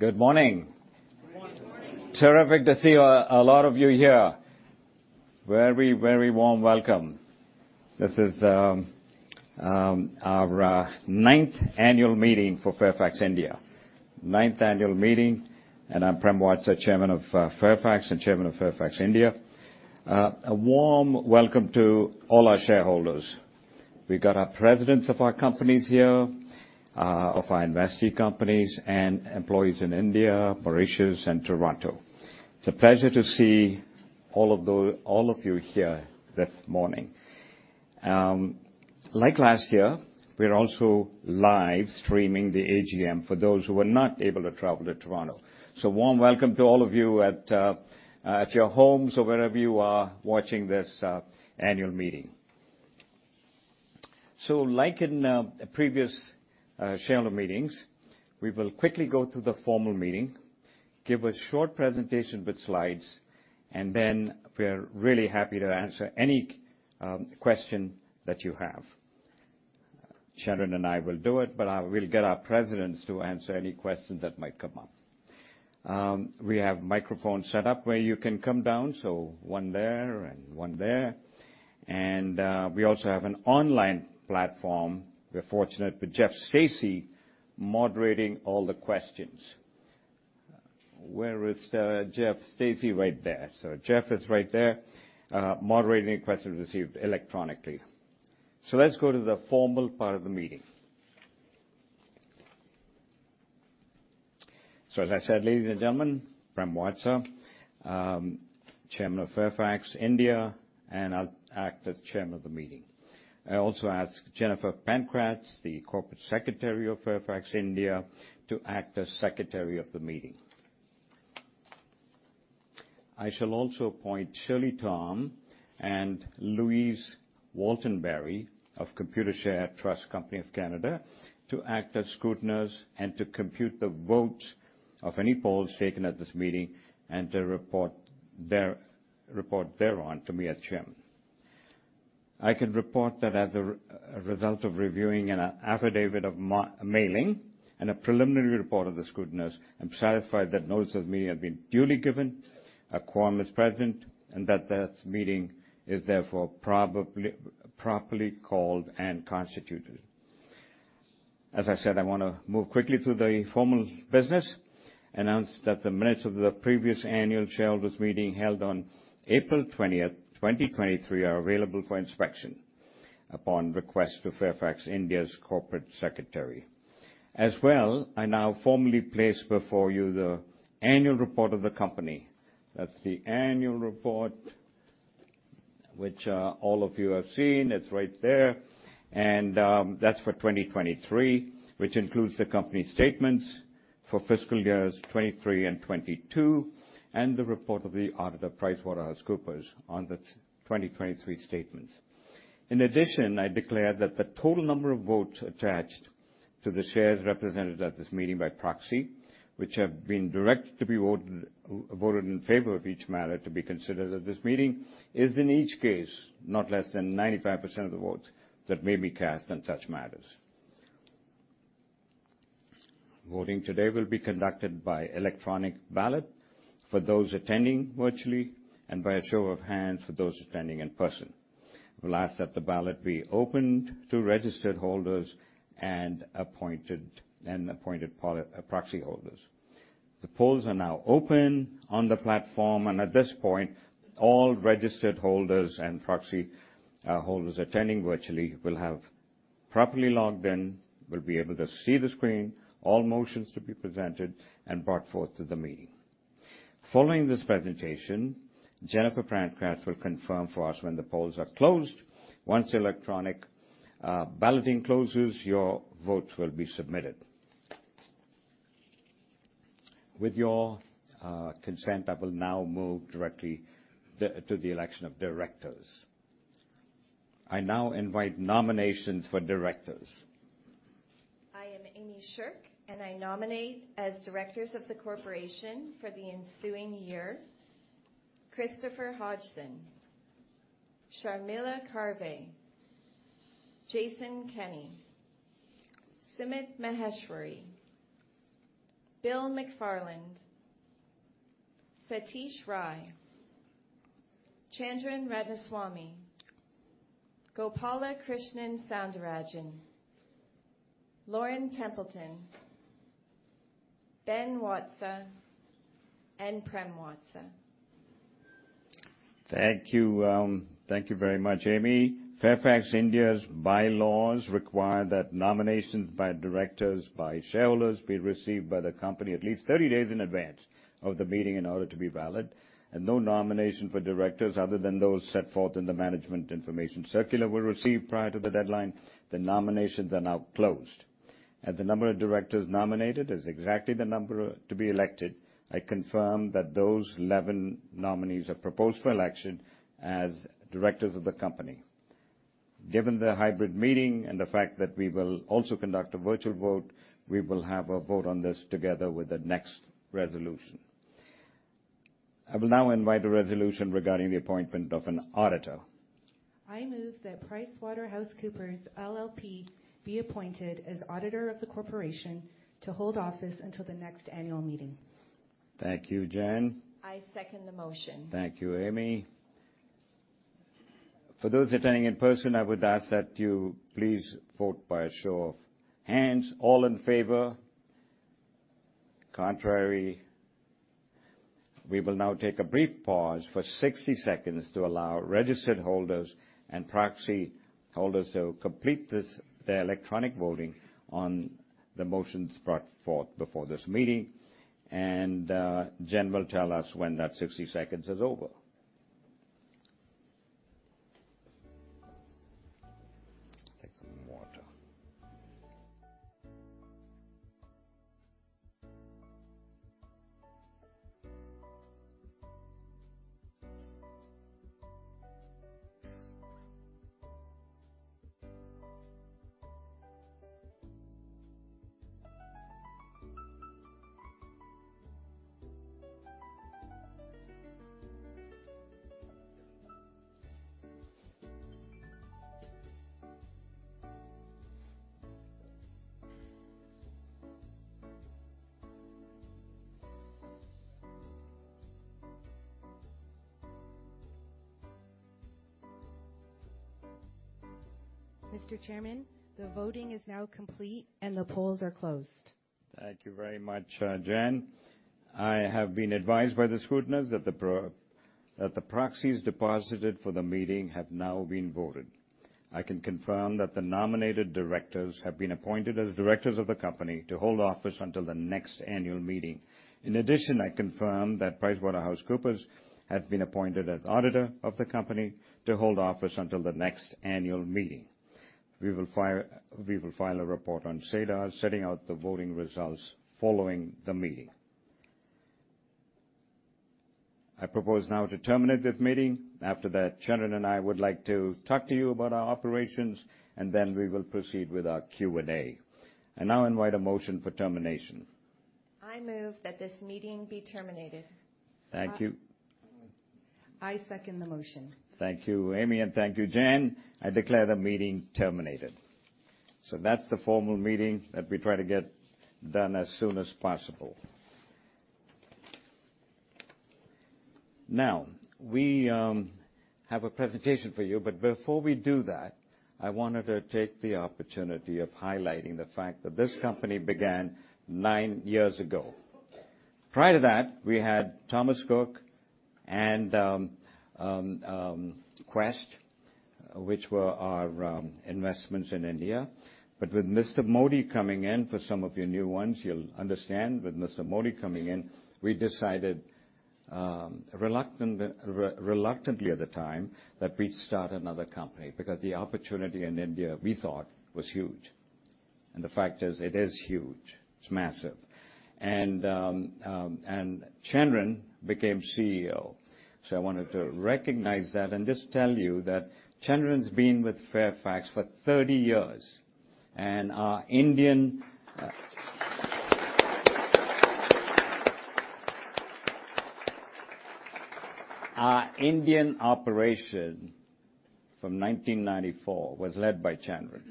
Good morning. Terrific to see a lot of you here. Very, very warm welcome. This is our ninth annual meeting for Fairfax India. Ninth annual meeting, and I'm Prem Watsa, Chairman of Fairfax and Chairman of Fairfax India. A warm welcome to all our shareholders. We've got our presidents of our companies here, of our investee companies, and employees in India, Mauritius, and Toronto. It's a pleasure to see all of those all of you here this morning. Like last year, we're also live streaming the AGM for those who were not able to travel to Toronto. Warm welcome to all of you at your homes or wherever you are watching this annual meeting. Like in previous shareholder meetings, we will quickly go through the formal meeting, give a short presentation with slides, and then we're really happy to answer any question that you have. Chandran and I will do it, but I will get our presidents to answer any questions that might come up. We have microphones set up where you can come down, so one there and one there. We also have an online platform. We're fortunate with Jeff Stacey moderating all the questions. Where is Jeff Stacey? Right there? So Jeff is right there, moderating the questions received electronically. So let's go to the formal part of the meeting. So as I said, ladies and gentlemen, Prem Watsa, Chairman of Fairfax India, and I'll act as Chairman of the meeting. I also ask Jennifer Pankratz, the Corporate Secretary of Fairfax India, to act as Secretary of the meeting. I shall also appoint Shirley Tom and Louise Waltenbury of Computershare Trust Company of Canada to act as scrutineers and to compute the votes of any polls taken at this meeting and to report their report thereon to me as Chairman. I can report that as a result of reviewing an affidavit of mailing and a preliminary report of the scrutineers, I'm satisfied that notice of the meeting has been duly given, a quorum is present, and that this meeting is therefore duly properly called and constituted. As I said, I want to move quickly through the formal business, announce that the minutes of the previous annual shareholders' meeting held on April 20th, 2023, are available for inspection upon request to Fairfax India's Corporate Secretary. As well, I now formally place before you the annual report of the company. That's the annual report which, all of you have seen. It's right there. That's for 2023, which includes the company statements for fiscal years 2023 and 2022 and the report of the auditor PricewaterhouseCoopers on the 2020-2023 statements. In addition, I declare that the total number of votes attached to the shares represented at this meeting by proxy, which have been directed to be voted in favor of each matter to be considered at this meeting, is in each case not less than 95% of the votes that may be cast on such matters. Voting today will be conducted by electronic ballot for those attending virtually and by a show of hands for those attending in person. We'll ask that the ballot be opened to registered holders and appointed and appointed poll proxy holders. The polls are now open on the platform, and at this point, all registered holders and proxy holders attending virtually will have properly logged in, will be able to see the screen, all motions to be presented and brought forth to the meeting. Following this presentation, Jennifer Pankratz will confirm for us when the polls are closed. Once the electronic balloting closes, your votes will be submitted. With your consent, I will now move directly to the election of directors. I now invite nominations for directors. I am Amy Sherk, and I nominate as directors of the corporation for the ensuing year Christopher Hodgson, Sharmila Karve, Jason Kenney, Sumit Maheshwari, Bill McFarland, Satish Rai, Chandran Ratnaswami, Gopalakrishnan Soundarajan, Lauren Templeton, Ben Watsa, and Prem Watsa. Thank you. Thank you very much, Amy. Fairfax India's bylaws require that nominations by directors by shareholders be received by the company at least 30 days in advance of the meeting in order to be valid. No nomination for directors other than those set forth in the Management Information Circular will receive prior to the deadline. The nominations are now closed. As the number of directors nominated is exactly the number to be elected, I confirm that those 11 nominees are proposed for election as directors of the company. Given the hybrid meeting and the fact that we will also conduct a virtual vote, we will have a vote on this together with the next resolution. I will now invite a resolution regarding the appointment of an auditor. I move that PricewaterhouseCoopers LLP be appointed as auditor of the corporation to hold office until the next annual meeting. Thank you, Jen. I second the motion. Thank you, Amy. For those attending in person, I would ask that you please vote by a show of hands. All in favor? Contrary? We will now take a brief pause for 60 seconds to allow registered holders and proxy holders to complete their electronic voting on the motions brought forth before this meeting. And, Jen will tell us when that 60 seconds is over. Take some water. Mr. Chairman, the voting is now complete, and the polls are closed. Thank you very much, Jen. I have been advised by the scrutineers that the proxies deposited for the meeting have now been voted. I can confirm that the nominated directors have been appointed as directors of the company to hold office until the next annual meeting. In addition, I confirm that PricewaterhouseCoopers has been appointed as auditor of the company to hold office until the next annual meeting. We will file a report on SEDAR setting out the voting results following the meeting. I propose now to terminate this meeting. After that, Chandran and I would like to talk to you about our operations, and then we will proceed with our Q&A. I now invite a motion for termination. I move that this meeting be terminated. Thank you. I second the motion. Thank you, Amy, and thank you, Jen. I declare the meeting terminated. So that's the formal meeting that we try to get done as soon as possible. Now, we have a presentation for you, but before we do that, I wanted to take the opportunity of highlighting the fact that this company began nine years ago. Prior to that, we had Thomas Cook and Quess, which were our investments in India. But with Mr. Modi coming in, for some of you new ones, you'll understand, with Mr. Modi coming in, we decided, reluctantly reluctantly at the time, that we'd start another company because the opportunity in India, we thought, was huge. And the fact is, it is huge. It's massive. And Chandran became CEO. So I wanted to recognize that and just tell you that Chandran's been with Fairfax for 30 years, and our Indian operation from 1994 was led by Chandran.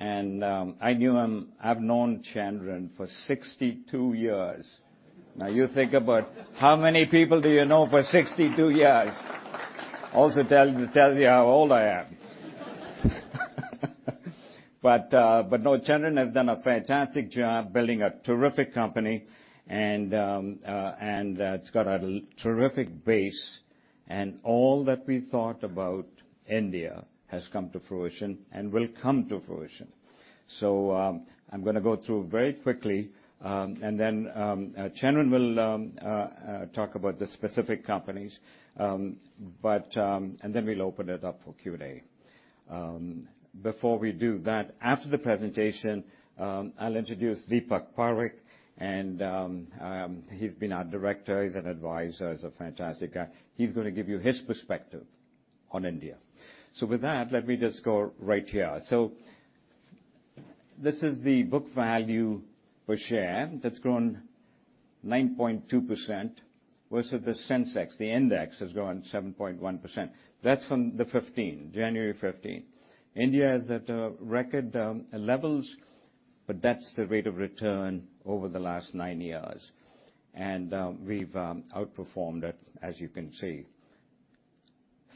And I've known Chandran for 62 years. Now, you think about how many people do you know for 62 years, also telling you how old I am. But no, Chandran has done a fantastic job building a terrific company, and it's got a terrific base. And all that we thought about India has come to fruition and will come to fruition. So, I'm going to go through very quickly, and then Chandran will talk about the specific companies, and then we'll open it up for Q&A. Before we do that, after the presentation, I'll introduce Deepak Parekh. And he's been our director. He's an advisor. He's a fantastic guy. He's going to give you his perspective on India. So with that, let me just go right here. So this is the book value per share that's grown 9.2% versus the Sensex. The index has grown 7.1%. That's from January 2015. India is at record levels. But that's the rate of return over the last nine years. And we've outperformed it, as you can see.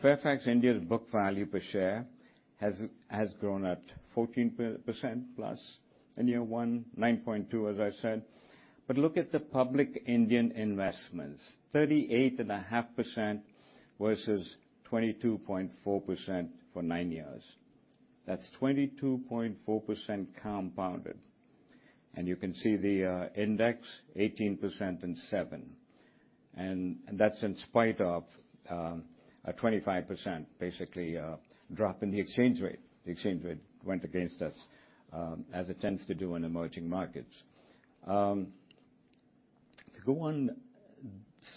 Fairfax India's book value per share has grown at 14%+ in year one, 9.2, as I said. But look at the public Indian investments, 38.5% versus 22.4% for nine years. That's 22.4% compounded. And you can see the index, 18% and 7%. And that's in spite of a 25% basically drop in the exchange rate. The exchange rate went against us, as it tends to do in emerging markets. to go on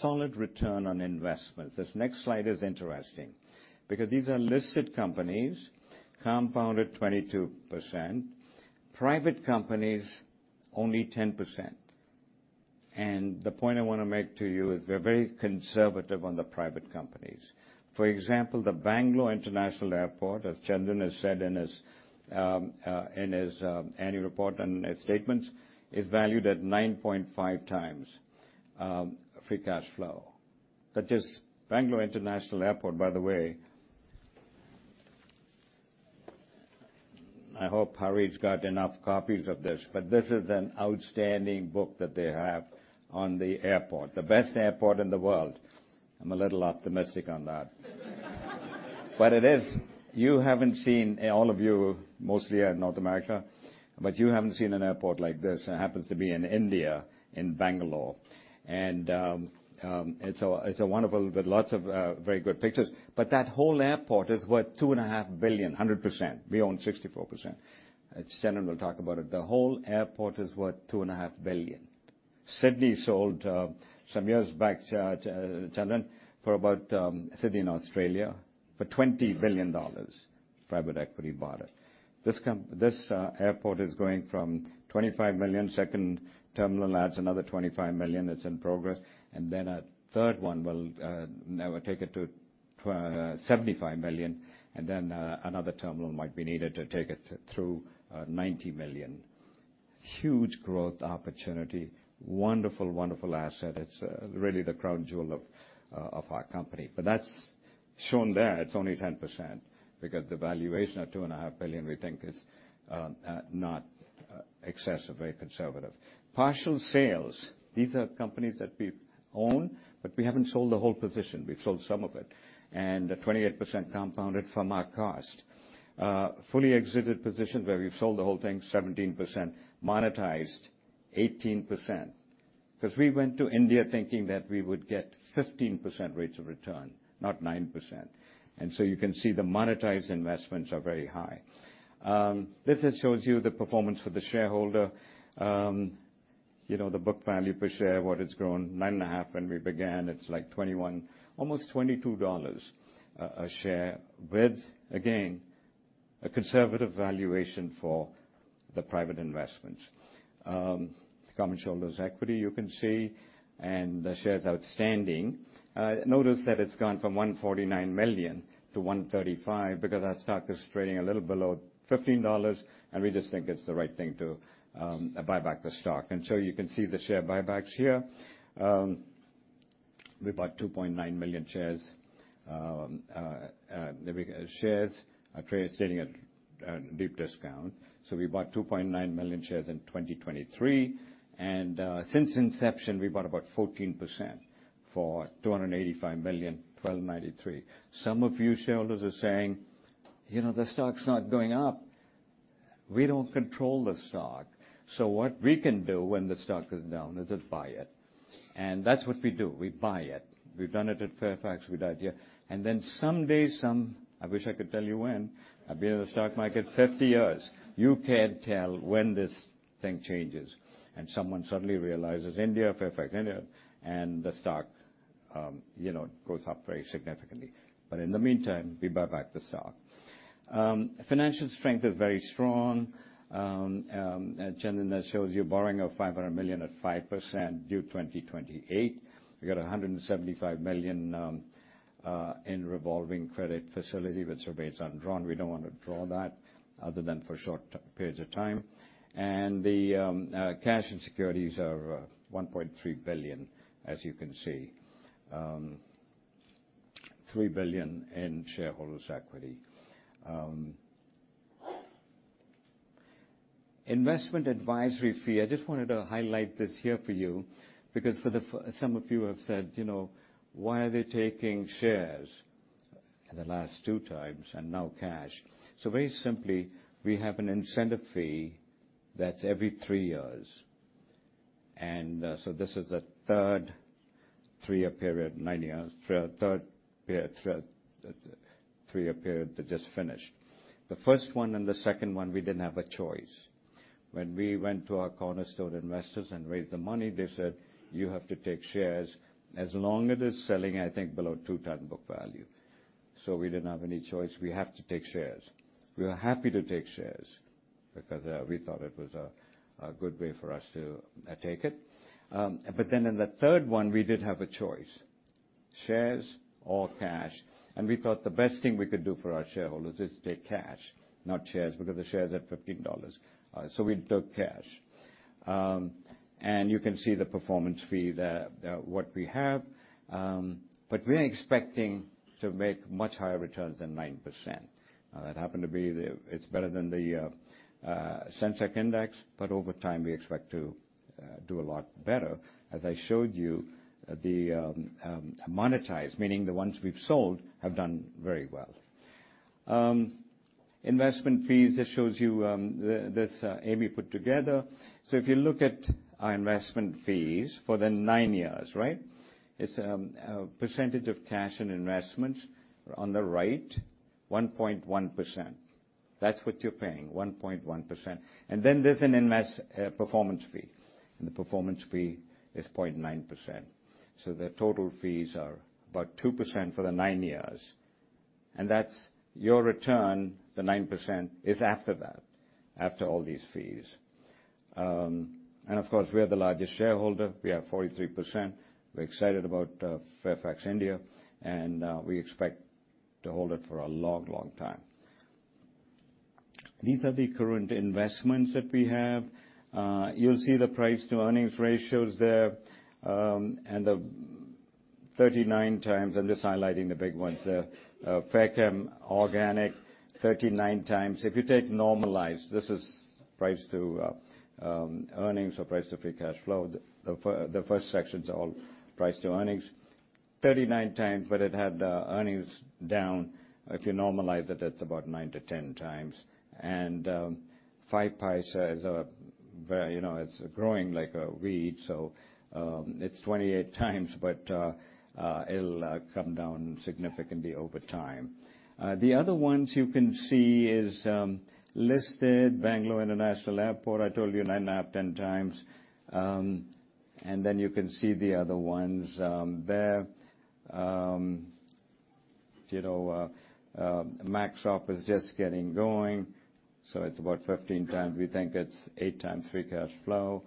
solid return on investments, this next slide is interesting because these are listed companies, compounded 22%, private companies, only 10%. And the point I want to make to you is we're very conservative on the private companies. For example, the Bangalore International Airport, as Chandran has said in his annual report and his statements, is valued at 9.5x free cash flow. That just Bangalore International Airport, by the way I hope Hari got enough copies of this, but this is an outstanding book that they have on the airport, the best airport in the world. I'm a little optimistic on that. But it is. You haven't seen all of you mostly are in North America, but you haven't seen an airport like this. It happens to be in India, in Bangalore. And it's a wonderful with lots of very good pictures. But that whole airport is worth $2.5 billion, 100%. We own 64%. As Chandran will talk about it, the whole airport is worth $2.5 billion. Sydney sold some years back, Chandran, for about Sydney in Australia for $20 billion. Private equity bought it. This comp this airport is going from 25 million, second terminal adds another 25 million. It's in progress. And then a third one will never take it to 75 million. And then another terminal might be needed to take it through 90 million. Huge growth opportunity, wonderful, wonderful asset. It's really the crown jewel of our company. But that's shown there. It's only 10% because the valuation of $2.5 billion we think is not excessive, very conservative. Partial sales, these are companies that we own, but we haven't sold the whole position. We've sold some of it and a 28% compounded from our cost. Fully exited position where we've sold the whole thing, 17%, monetized, 18% because we went to India thinking that we would get 15% rates of return, not 9%. And so you can see the monetized investments are very high. This just shows you the performance for the shareholder. You know, the book value per share, what it's grown, 9.5 when we began, it's like $21 almost $22 a share with, again, a conservative valuation for the private investments. Common shareholders' equity, you can see, and the shares outstanding. Notice that it's gone from 149 million to 135 because that stock is trading a little below $15, and we just think it's the right thing to buy back the stock. And so you can see the share buybacks here. We bought 2.9 million shares, shares trading at deep discount. So we bought 2.9 million shares in 2023. Since inception, we bought about 14% for $285 million in 1993. Some of you shareholders are saying, "You know, the stock's not going up. We don't control the stock. So what we can do when the stock is down is to buy it." And that's what we do. We buy it. We've done it at Fairfax. We've done it here. And then some days, some I wish I could tell you when. I've been in the stock market 50 years. You can't tell when this thing changes. And someone suddenly realizes India, Fairfax India, and the stock, you know, goes up very significantly. But in the meantime, we buy back the stock. Financial strength is very strong. Chandran, that shows you borrowing of $500 million at 5% due 2028. We got $175 million in revolving credit facility with Scotiabank undrawn. We don't want to draw that other than for short periods of time. The cash and securities are $1.3 billion, as you can see, $3 billion in shareholders' equity. Investment advisory fee, I just wanted to highlight this here for you because for some of you have said, "You know, why are they taking shares in the last two times and now cash?" So very simply, we have an incentive fee that's every three years. This is the third three-year period, nine years, third period, third three-year period that just finished. The first one and the second one, we didn't have a choice. When we went to our cornerstone investors and raised the money, they said, "You have to take shares as long as it's selling, I think, below two times book value." So we didn't have any choice. We have to take shares. We were happy to take shares because we thought it was a good way for us to take it. But then in the third one, we did have a choice, shares or cash. And we thought the best thing we could do for our shareholders is take cash, not shares because the share's at $15. So we took cash. And you can see the performance fee, the what we have. But we are expecting to make much higher returns than 9%. That happened to be the—it's better than the Sensex index, but over time, we expect to do a lot better. As I showed you, the monetized, meaning the ones we've sold have done very well. Investment fees, this shows you, this, Amy put together. So if you look at our investment fees for the nine years, right, it's a percentage of cash in investments on the right, 1.1%. That's what you're paying, 1.1%. And then there's an incentive performance fee. And the performance fee is 0.9%. So the total fees are about 2% for the nine years. And that's your return, the 9%, is after that, after all these fees. And of course, we are the largest shareholder. We have 43%. We're excited about Fairfax India. And we expect to hold it for a long, long time. These are the current investments that we have. You'll see the price-to-earnings ratios there, and the 39x I'm just highlighting the big ones there, Fairchem Organics, 39x. If you take normalized, this is price-to-earnings or price-to-free cash flow. The first section's all price-to-earnings, 39x, but it had earnings down. If you normalize it, it's about 9-10 times. 5paisa is a very, you know, it's growing like a weed. So, it's 28x, but, it'll come down significantly over time. The other ones you can see is listed Bangalore International Airport. I told you, 9.5x-10x. And then you can see the other ones there. You know, Maxop is just getting going. So it's about 15 times. We think it's 8 times free cash flow.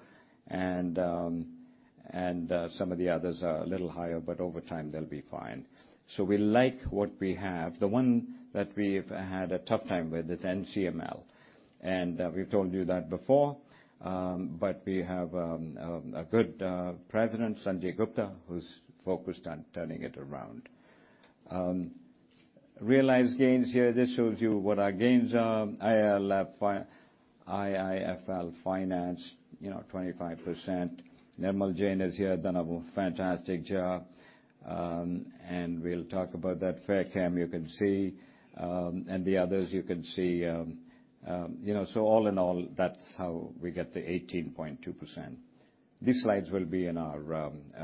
And some of the others are a little higher, but over time, they'll be fine. So we like what we have. The one that we've had a tough time with is NCML. And we've told you that before. But we have a good president, Sanjay Gupta, who's focused on turning it around. Realized gains here, this shows you what our gains are, IIFL Finance, you know, 25%. Nirmal Jain is here, done a fantastic job, and we'll talk about that. Fairchem, you can see, and the others, you can see, you know, so all in all, that's how we get the 18.2%. These slides will be in our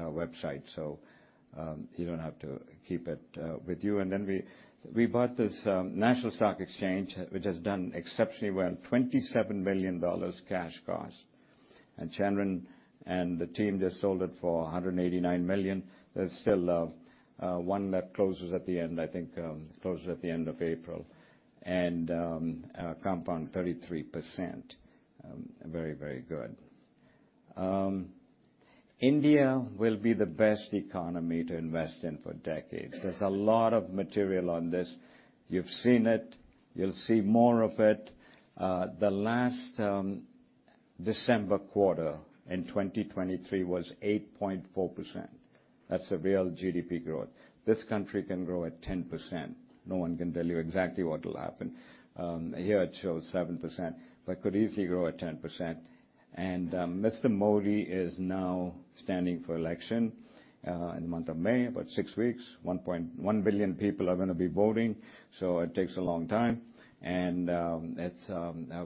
website, so you don't have to keep it with you. And then we bought this National Stock Exchange, which has done exceptionally well, $27 million cash cost. And Chandran and the team just sold it for $189 million. There's still one that closes at the end, I think, closes at the end of April and compound 33%, very, very good. India will be the best economy to invest in for decades. There's a lot of material on this. You've seen it. You'll see more of it. The last December quarter in 2023 was 8.4%. That's the real GDP growth. This country can grow at 10%. No one can tell you exactly what'll happen. Here, it shows 7% but could easily grow at 10%. Mr. Modi is now standing for election, in the month of May, about six weeks. 1.1 billion people are going to be voting. So it takes a long time. It's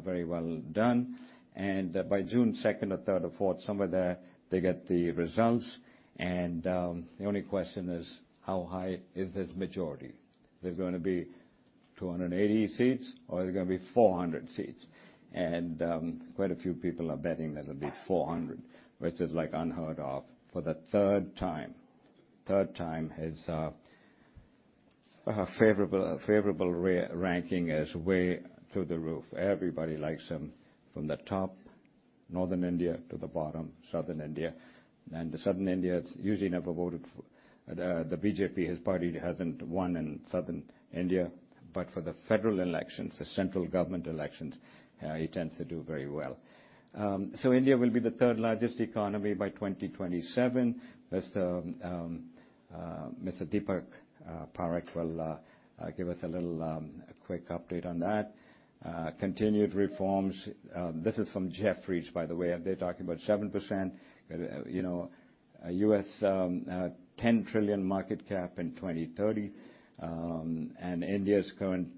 very well done. By June 2nd or 3rd or 4th, somewhere there, they get the results. The only question is, how high is his majority? Is it going to be 280 seats or is it going to be 400 seats? Quite a few people are betting that it'll be 400, which is like unheard of for the third time, his favorable ranking is way through the roof. Everybody likes him from the top, northern India to the bottom, southern India. The southern India, it's usually never voted for the BJP, his party hasn't won in southern India. But for the federal elections, the central government elections, he tends to do very well. So India will be the third largest economy by 2027. Mr. Deepak Parekh will give us a little quick update on that. Continued reforms, this is from Jefferies, by the way. They're talking about 7% because, you know, a $10 trillion market cap in 2030. And India's current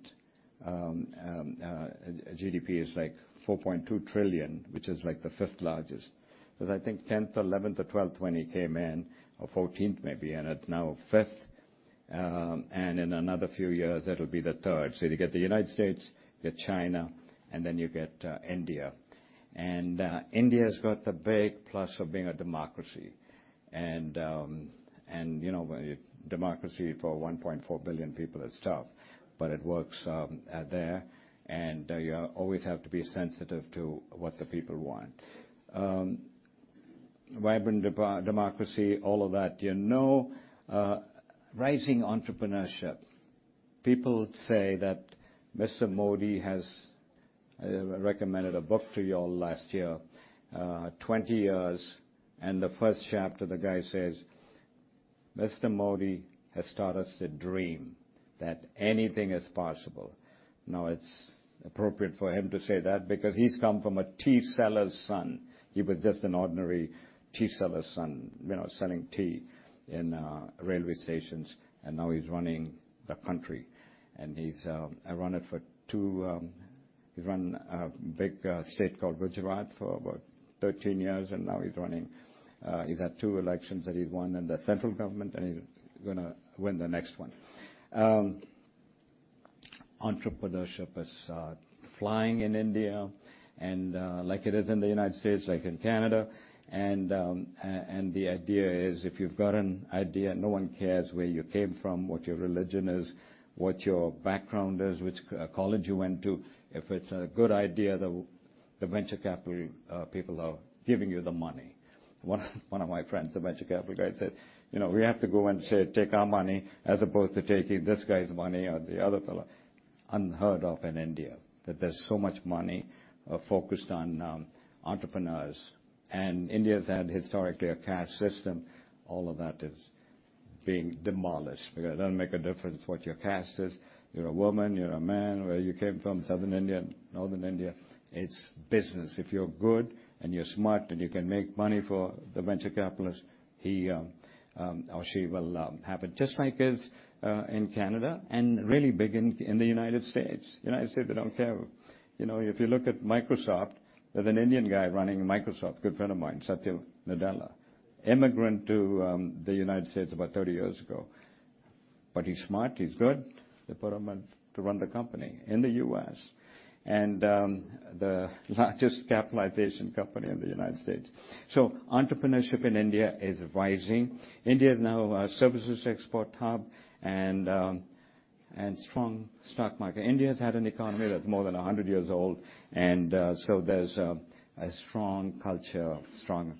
GDP is like $4.2 trillion, which is like the fifth largest because I think 10th, 11th, or 12th when he came in, or 14th maybe, and it's now fifth. And in another few years, it'll be the third. So you get the United States, you get China, and then you get India. And India's got the big plus of being a democracy. You know, democracy for 1.4 billion people is tough, but it works there. You always have to be sensitive to what the people want: vibrant democracy, all of that. You know, rising entrepreneurship. People say that Mr. Modi has recommended a book to you all last year, 20 Years. And the first chapter, the guy says, "Mr. Modi has taught us to dream that anything is possible." Now, it's appropriate for him to say that because he's come from a tea seller's son. He was just an ordinary tea seller's son, you know, selling tea in railway stations. And now he's running the country. He's run a big state called Gujarat for about 13 years. Now he's running. He's had two elections that he's won in the central government, and he's going to win the next one. Entrepreneurship is flying in India, like it is in the United States, like in Canada. And the idea is if you've got an idea, no one cares where you came from, what your religion is, what your background is, which college you went to. If it's a good idea, the venture capital people are giving you the money. One of my friends, the venture capital guy, said, "You know, we have to go and say, take our money," as opposed to taking this guy's money or the other fellow. Unheard of in India that there's so much money focused on entrepreneurs. And India's had historically a caste system. All of that is being demolished because it doesn't make a difference what your caste is. You're a woman. You're a man. Where you came from, Southern India, Northern India, it's business. If you're good and you're smart and you can make money for the venture capitalists, he or she will have it just like it's in Canada and really big in the United States. United States, they don't care. You know, if you look at Microsoft, there's an Indian guy running Microsoft, good friend of mine, Satya Nadella, immigrant to the United States about 30 years ago. But he's smart. He's good. They put him in to run the company in the US and the largest capitalization company in the United States. So entrepreneurship in India is rising. India is now a services export hub and strong stock market. India's had an economy that's more than 100 years old. So there's a strong culture, strong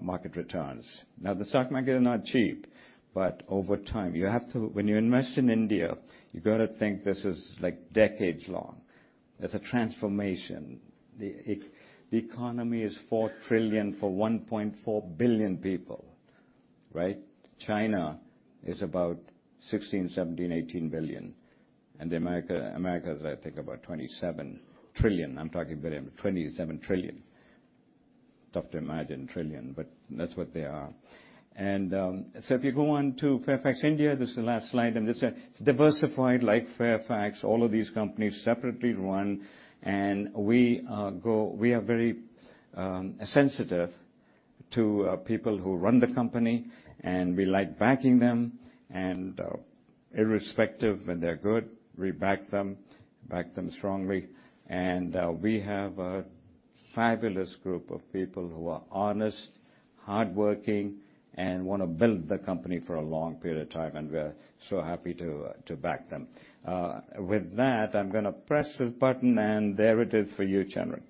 market returns. Now, the stock market is not cheap. But over time, you have to when you invest in India, you got to think this is like decades long. It's a transformation. The economy is $4 trillion for 1.4 billion people, right? China is about $16 billion-$18 billion. And America, I think, about $27 trillion. I'm talking billion, $27 trillion. Tough to imagine trillion, but that's what they are. And so if you go on to Fairfax India, this is the last slide. And this is, it's diversified like Fairfax, all of these companies separately run. And we, we are very sensitive to people who run the company. And we like backing them. And irrespective when they're good, we back them, back them strongly. And we have a fabulous group of people who are honest, hardworking, and want to build the company for a long period of time. And we're so happy to, to back them. With that, I'm going to press this button, and there it is for you, Chandran.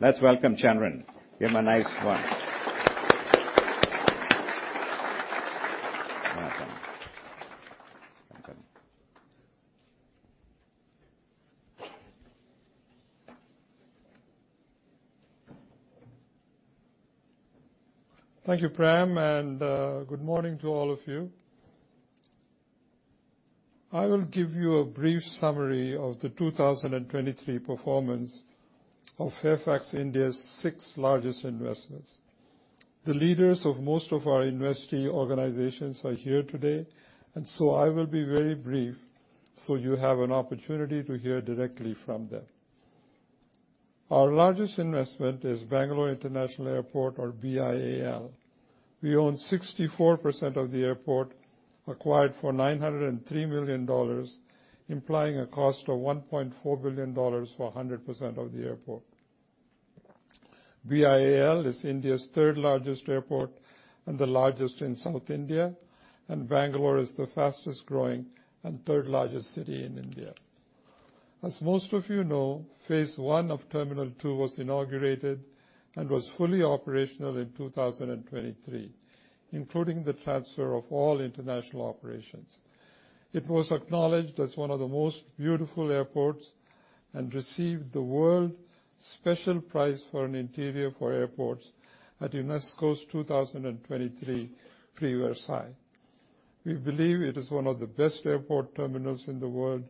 Let's welcome Chandran. Give him a nice one. Welcome. Thank you, Prem. Good morning to all of you. I will give you a brief summary of the 2023 performance of Fairfax India's six largest investments. The leaders of most of our investee organizations are here today. And so I will be very brief so you have an opportunity to hear directly from them. Our largest investment is Bangalore International Airport, or BIAL. We own 64% of the airport, acquired for $903 million, implying a cost of $1.4 billion for 100% of the airport. BIAL is India's third largest airport and the largest in South India. Bangalore is the fastest growing and third largest city in India. As most of you know, phase one of Terminal 2 was inaugurated and was fully operational in 2023, including the transfer of all international operations. It was acknowledged as one of the most beautiful airports and received the World Special Prize for an Interior for Airports at UNESCO's 2023 Prix Versailles. We believe it is one of the best airport terminals in the world,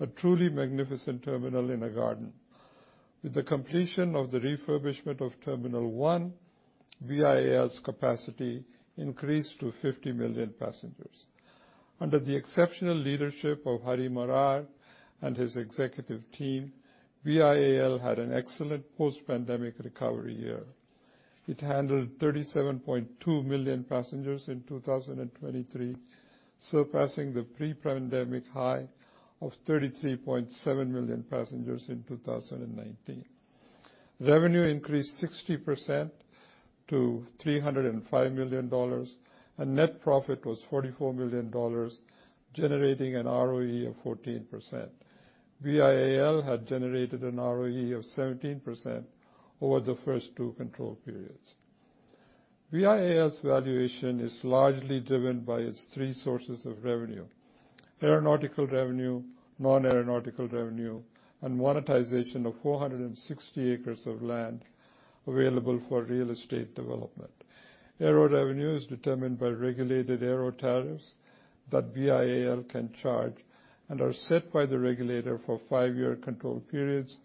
a truly magnificent terminal in a garden. With the completion of the refurbishment of Terminal 1, BIAL's capacity increased to 50 million passengers. Under the exceptional leadership of Hari Marar and his executive team, BIAL had an excellent post-pandemic recovery year. It handled 37.2 million passengers in 2023, surpassing the pre-pandemic high of 33.7 million passengers in 2019. Revenue increased 60% to $305 million, and net profit was $44 million, generating an ROE of 14%. BIAL had generated an ROE of 17% over the first two control periods. BIAL's valuation is largely driven by its three sources of revenue: aeronautical revenue, non-aeronautical revenue, and monetization of 460 acres of land available for real estate development. Aero revenue is determined by regulated aero tariffs that BIAL can charge and are set by the regulator for five-year control periods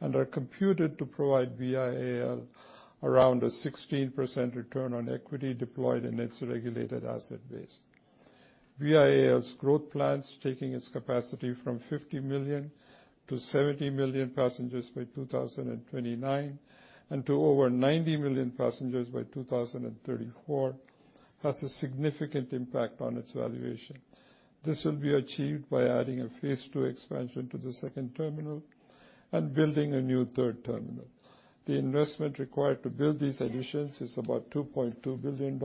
and are computed to provide BIAL around a 16% return on equity deployed in its regulated asset base. BIAL's growth plans, taking its capacity from 50 million to 70 million passengers by 2029 and to over 90 million passengers by 2034, has a significant impact on its valuation. This will be achieved by adding a phase two expansion to the second terminal and building a new third terminal. The investment required to build these additions is about $2.2 billion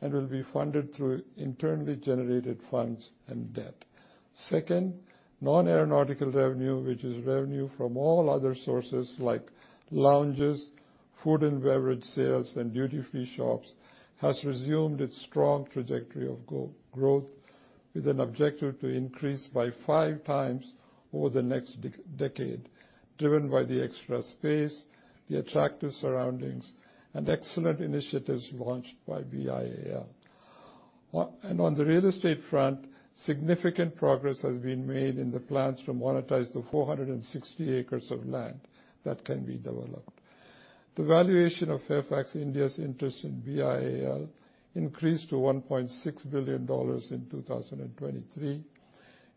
and will be funded through internally generated funds and debt. Second, non-aeronautical revenue, which is revenue from all other sources like lounges, food and beverage sales, and duty-free shops, has resumed its strong trajectory of growth with an objective to increase by 5 times over the next decade, driven by the extra space, the attractive surroundings, and excellent initiatives launched by BIAL. On the real estate front, significant progress has been made in the plans to monetize the 460 acres of land that can be developed. The valuation of Fairfax India's interest in BIAL increased to $1.6 billion in 2023,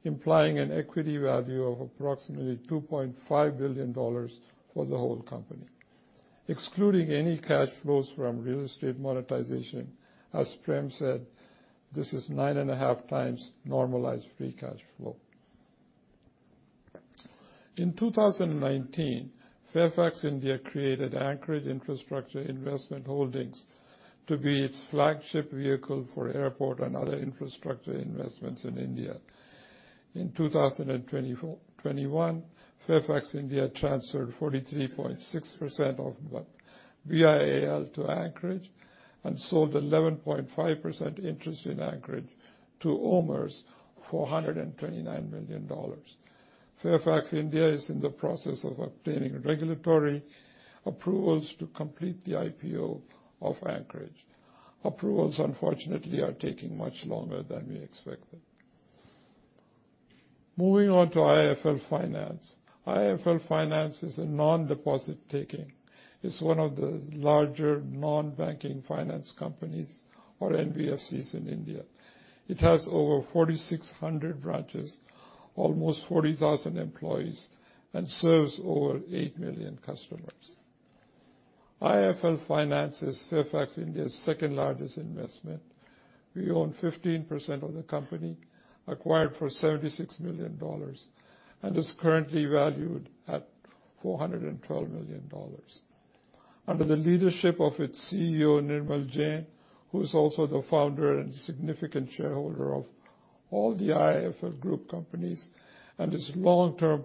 implying an equity value of approximately $2.5 billion for the whole company. Excluding any cash flows from real estate monetization, as Prem said, this is 9.5 times normalized free cash flow. In 2019, Fairfax India created Anchorage Infrastructure Investment Holdings to be its flagship vehicle for airport and other infrastructure investments in India. In 2021, Fairfax India transferred 43.6% of BIAL to Anchorage and sold 11.5% interest in Anchorage to OMERS, $429 million. Fairfax India is in the process of obtaining regulatory approvals to complete the IPO of Anchorage. Approvals, unfortunately, are taking much longer than we expected. Moving on to IIFL Finance. IIFL Finance is a non-deposit taking. It's one of the larger non-banking finance companies, or NBFCs, in India. It has over 4,600 branches, almost 40,000 employees, and serves over 8 million customers. IIFL Finance is Fairfax India's second largest investment. We own 15% of the company, acquired for $76 million, and is currently valued at $412 million. Under the leadership of its CEO, Nirmal Jain, who is also the founder and significant shareholder of all the IIFL Group companies and is a long-term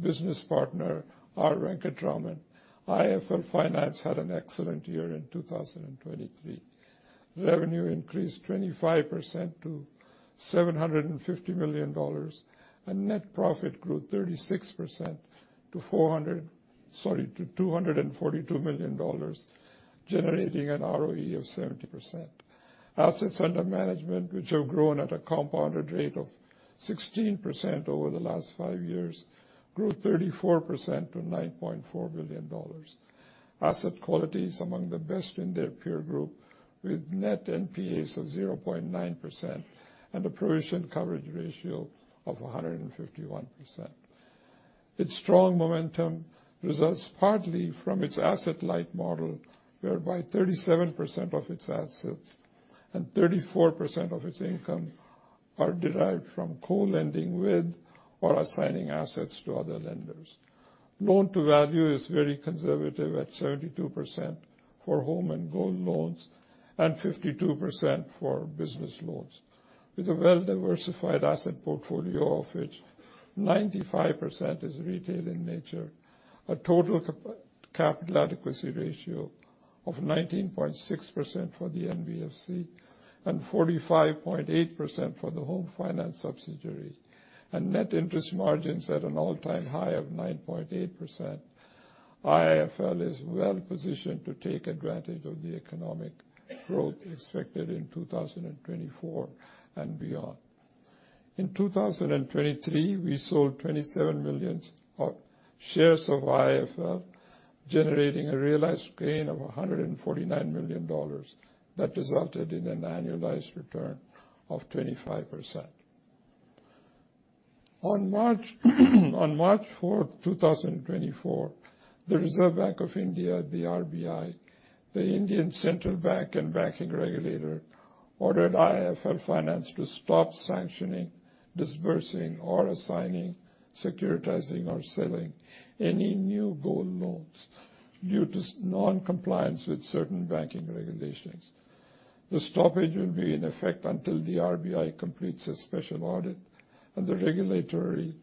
business partner, R. Venkataraman, IIFL Finance had an excellent year in 2023. Revenue increased 25% to $750 million, and net profit grew 36% to $400 sorry, to $242 million, generating an ROE of 70%. Assets under management, which have grown at a compounded rate of 16% over the last five years, grew 34% to $9.4 billion. Asset quality is among the best in their peer group, with net NPAs of 0.9% and a provision coverage ratio of 151%. Its strong momentum results partly from its asset light model, whereby 37% of its assets and 34% of its income are derived from co-lending with or assigning assets to other lenders. Loan-to-value is very conservative at 72% for home and gold loans and 52% for business loans, with a well-diversified asset portfolio of which 95% is retail in nature, a total capital adequacy ratio of 19.6% for the NBFC and 45.8% for the home finance subsidiary, and net interest margins at an all-time high of 9.8%. IIFL is well-positioned to take advantage of the economic growth expected in 2024 and beyond. In 2023, we sold 27 million shares of IIFL, generating a realized gain of $149 million that resulted in an annualized return of 25%. On March 4, 2024, the Reserve Bank of India, the RBI, the Indian Central Bank, and banking regulator ordered IIFL Finance to stop sanctioning, disbursing, or assigning, securitizing, or selling any new gold loans due to non-compliance with certain banking regulations. The stoppage will be in effect until the RBI completes a special audit and the regulatory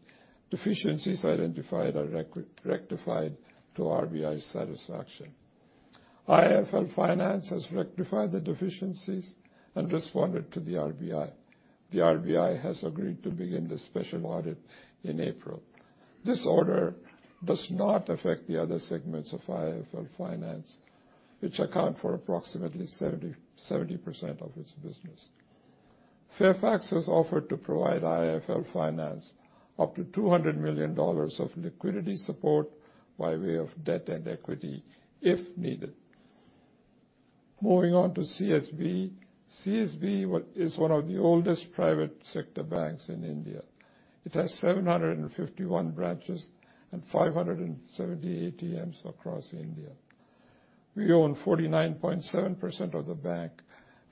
deficiencies identified are rectified to RBI satisfaction. IIFL Finance has rectified the deficiencies and responded to the RBI. The RBI has agreed to begin the special audit in April. This order does not affect the other segments of IIFL Finance, which account for approximately 70% of its business. Fairfax has offered to provide IIFL Finance up to $200 million of liquidity support by way of debt and equity if needed. Moving on to CSB. CSB is one of the oldest private sector banks in India. It has 751 branches and 570 ATMs across India. We own 49.7% of the bank,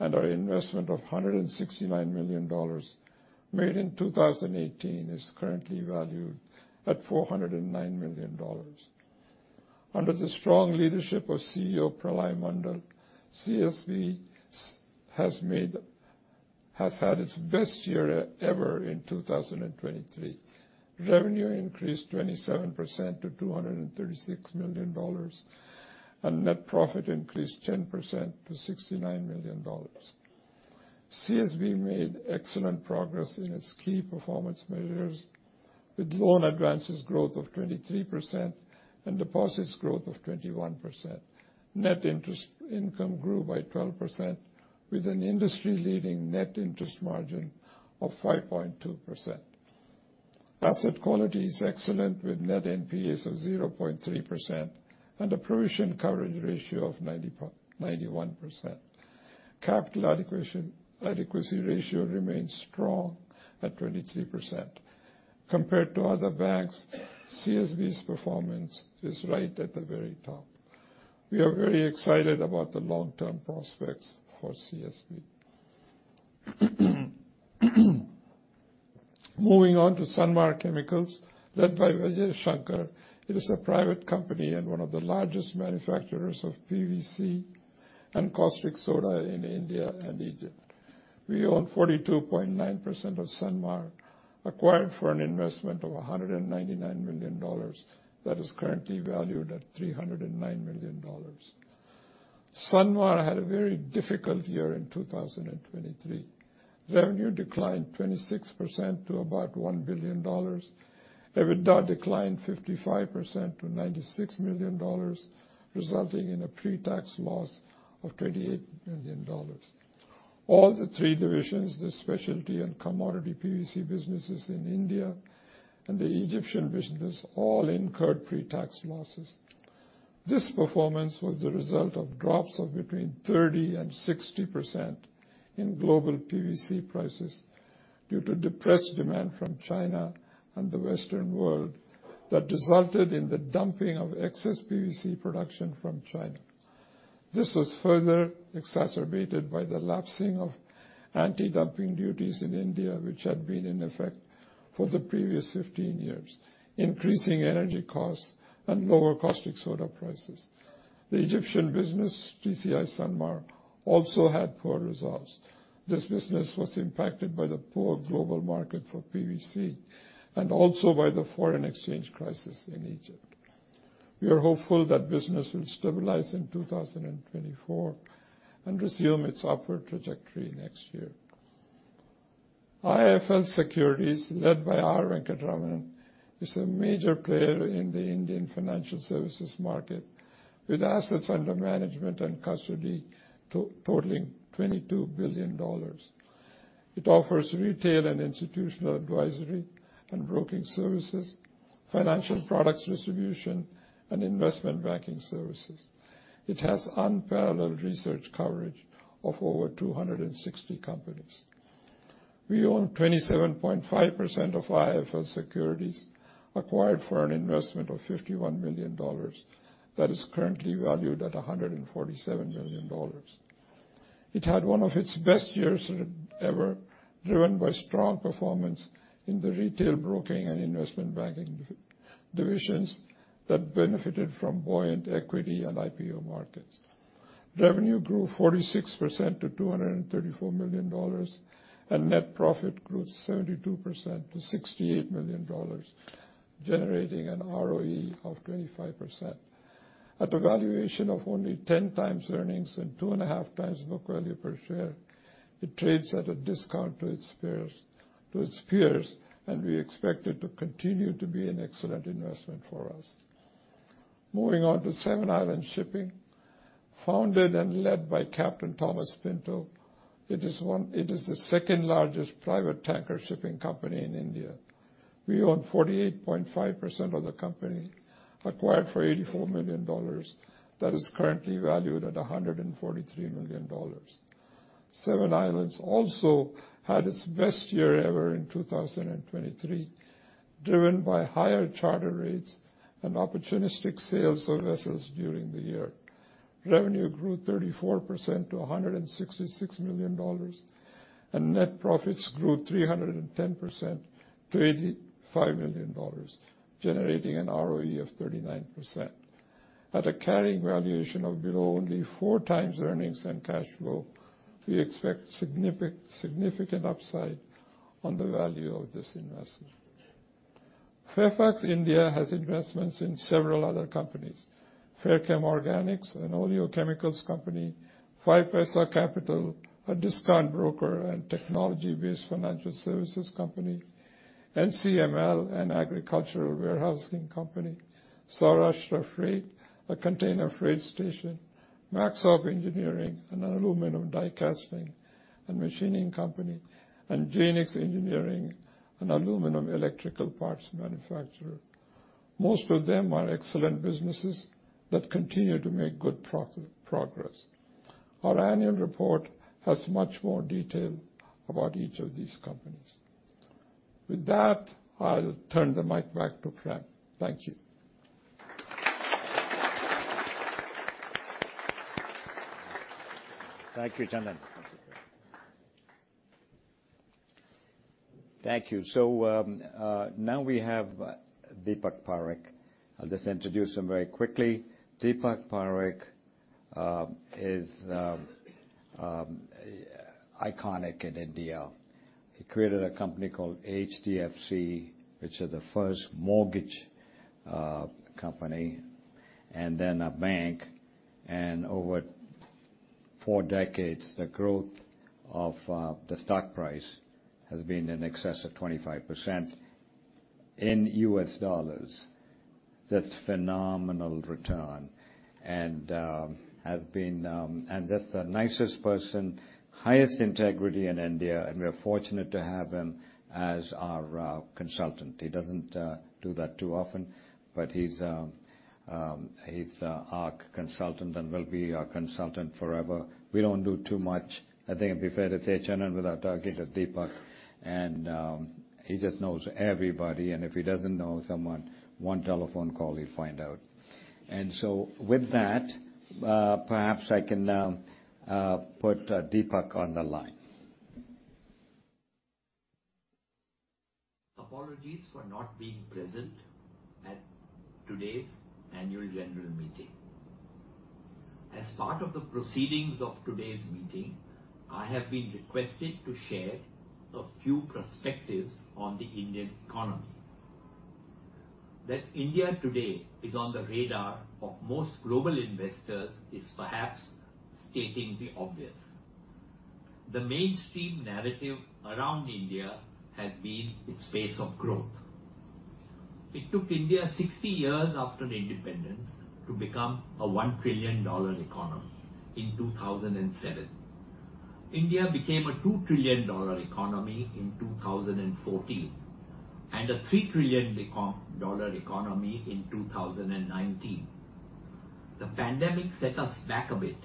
and our investment of $169 million made in 2018 is currently valued at $409 million. Under the strong leadership of CEO Pralay Mondal, CSB has had its best year ever in 2023. Revenue increased 27% to $236 million, and net profit increased 10% to $69 million. CSB made excellent progress in its key performance measures, with loan advances growth of 23% and deposits growth of 21%. Net interest income grew by 12%, with an industry-leading net interest margin of 5.2%. Asset quality is excellent, with net NPAs of 0.3% and a provision coverage ratio of 91%. Capital adequacy ratio remains strong at 23%. Compared to other banks, CSB's performance is right at the very top. We are very excited about the long-term prospects for CSB. Moving on to Sanmar Chemicals, led by Vijay Sankar, it is a private company and one of the largest manufacturers of PVC and caustic soda in India and Egypt. We own 42.9% of Sanmar, acquired for an investment of $199 million that is currently valued at $309 million. Sanmar had a very difficult year in 2023. Revenue declined 26% to about $1 billion. EBITDA declined 55% to $96 million, resulting in a pre-tax loss of $28 million. All the three divisions, the specialty and commodity PVC businesses in India and the Egyptian business, all incurred pre-tax losses. This performance was the result of drops of between 30%-60% in global PVC prices due to depressed demand from China and the Western world that resulted in the dumping of excess PVC production from China. This was further exacerbated by the lapsing of anti-dumping duties in India, which had been in effect for the previous 15 years, increasing energy costs and lower caustic soda prices. The Egyptian business, TCI Sanmar, also had poor results. This business was impacted by the poor global market for PVC and also by the foreign exchange crisis in Egypt. We are hopeful that business will stabilize in 2024 and resume its upward trajectory next year. IIFL Securities, led by R. Venkataraman, is a major player in the Indian financial services market, with assets under management and custody totaling $22 billion. It offers retail and institutional advisory and broking services, financial products distribution, and investment banking services. It has unparalleled research coverage of over 260 companies. We own 27.5% of IIFL Securities, acquired for an investment of $51 million that is currently valued at $147 million. It had one of its best years ever, driven by strong performance in the retail brokering and investment banking divisions that benefited from buoyant equity and IPO markets. Revenue grew 46% to $234 million, and net profit grew 72% to $68 million, generating an ROE of 25%. At a valuation of only 10x earnings and 2.5x book value per share, it trades at a discount to its peers, and we expect it to continue to be an excellent investment for us. Moving on to Seven Islands Shipping. Founded and led by Captain Thomas Pinto, it is the second largest private tanker shipping company in India. We own 48.5% of the company, acquired for $84 million that is currently valued at $143 million. Seven Islands also had its best year ever in 2023, driven by higher charter rates and opportunistic sales of vessels during the year. Revenue grew 34% to $166 million, and net profits grew 310% to $85 million, generating an ROE of 39%. At a carrying valuation of below only 4 times earnings and cash flow, we expect significant upside on the value of this investment. Fairfax India has investments in several other companies: Fairchem Organics, an oil and chemicals company. 5paisa Capital, a discount broker and technology-based financial services company. NCML, an agricultural warehousing company. Saurashtra Freight, a container freight station. Maxop Engineering, an aluminum die-casting and machining company. And Jaynix Engineering, an aluminum electrical parts manufacturer. Most of them are excellent businesses that continue to make good progress. Our annual report has much more detail about each of these companies. With that, I'll turn the mic back to Prem. Thank you. Thank you, Chandran. Thank you. Now we have Deepak Parekh. I'll just introduce him very quickly. Deepak Parekh is iconic in India. He created a company called HDFC, which is the first mortgage company, and then a bank. Over four decades, the growth of the stock price has been in excess of 25% in US dollars. That's phenomenal return and has been and that's the nicest person, highest integrity in India, and we're fortunate to have him as our consultant. He doesn't do that too often, but he's our consultant and will be our consultant forever. We don't do too much. I think it'd be fair to say Chandran without talking to Deepak. He just knows everybody. If he doesn't know someone, one telephone call, he'll find out. With that, perhaps I can put Deepak on the line. Apologies for not being present at today's annual general meeting. As part of the proceedings of today's meeting, I have been requested to share a few perspectives on the Indian economy. That India today is on the radar of most global investors is perhaps stating the obvious. The mainstream narrative around India has been its pace of growth. It took India 60 years after independence to become a $1 trillion economy in 2007. India became a $2 trillion economy in 2014 and a $3 trillion economy in 2019. The pandemic set us back a bit,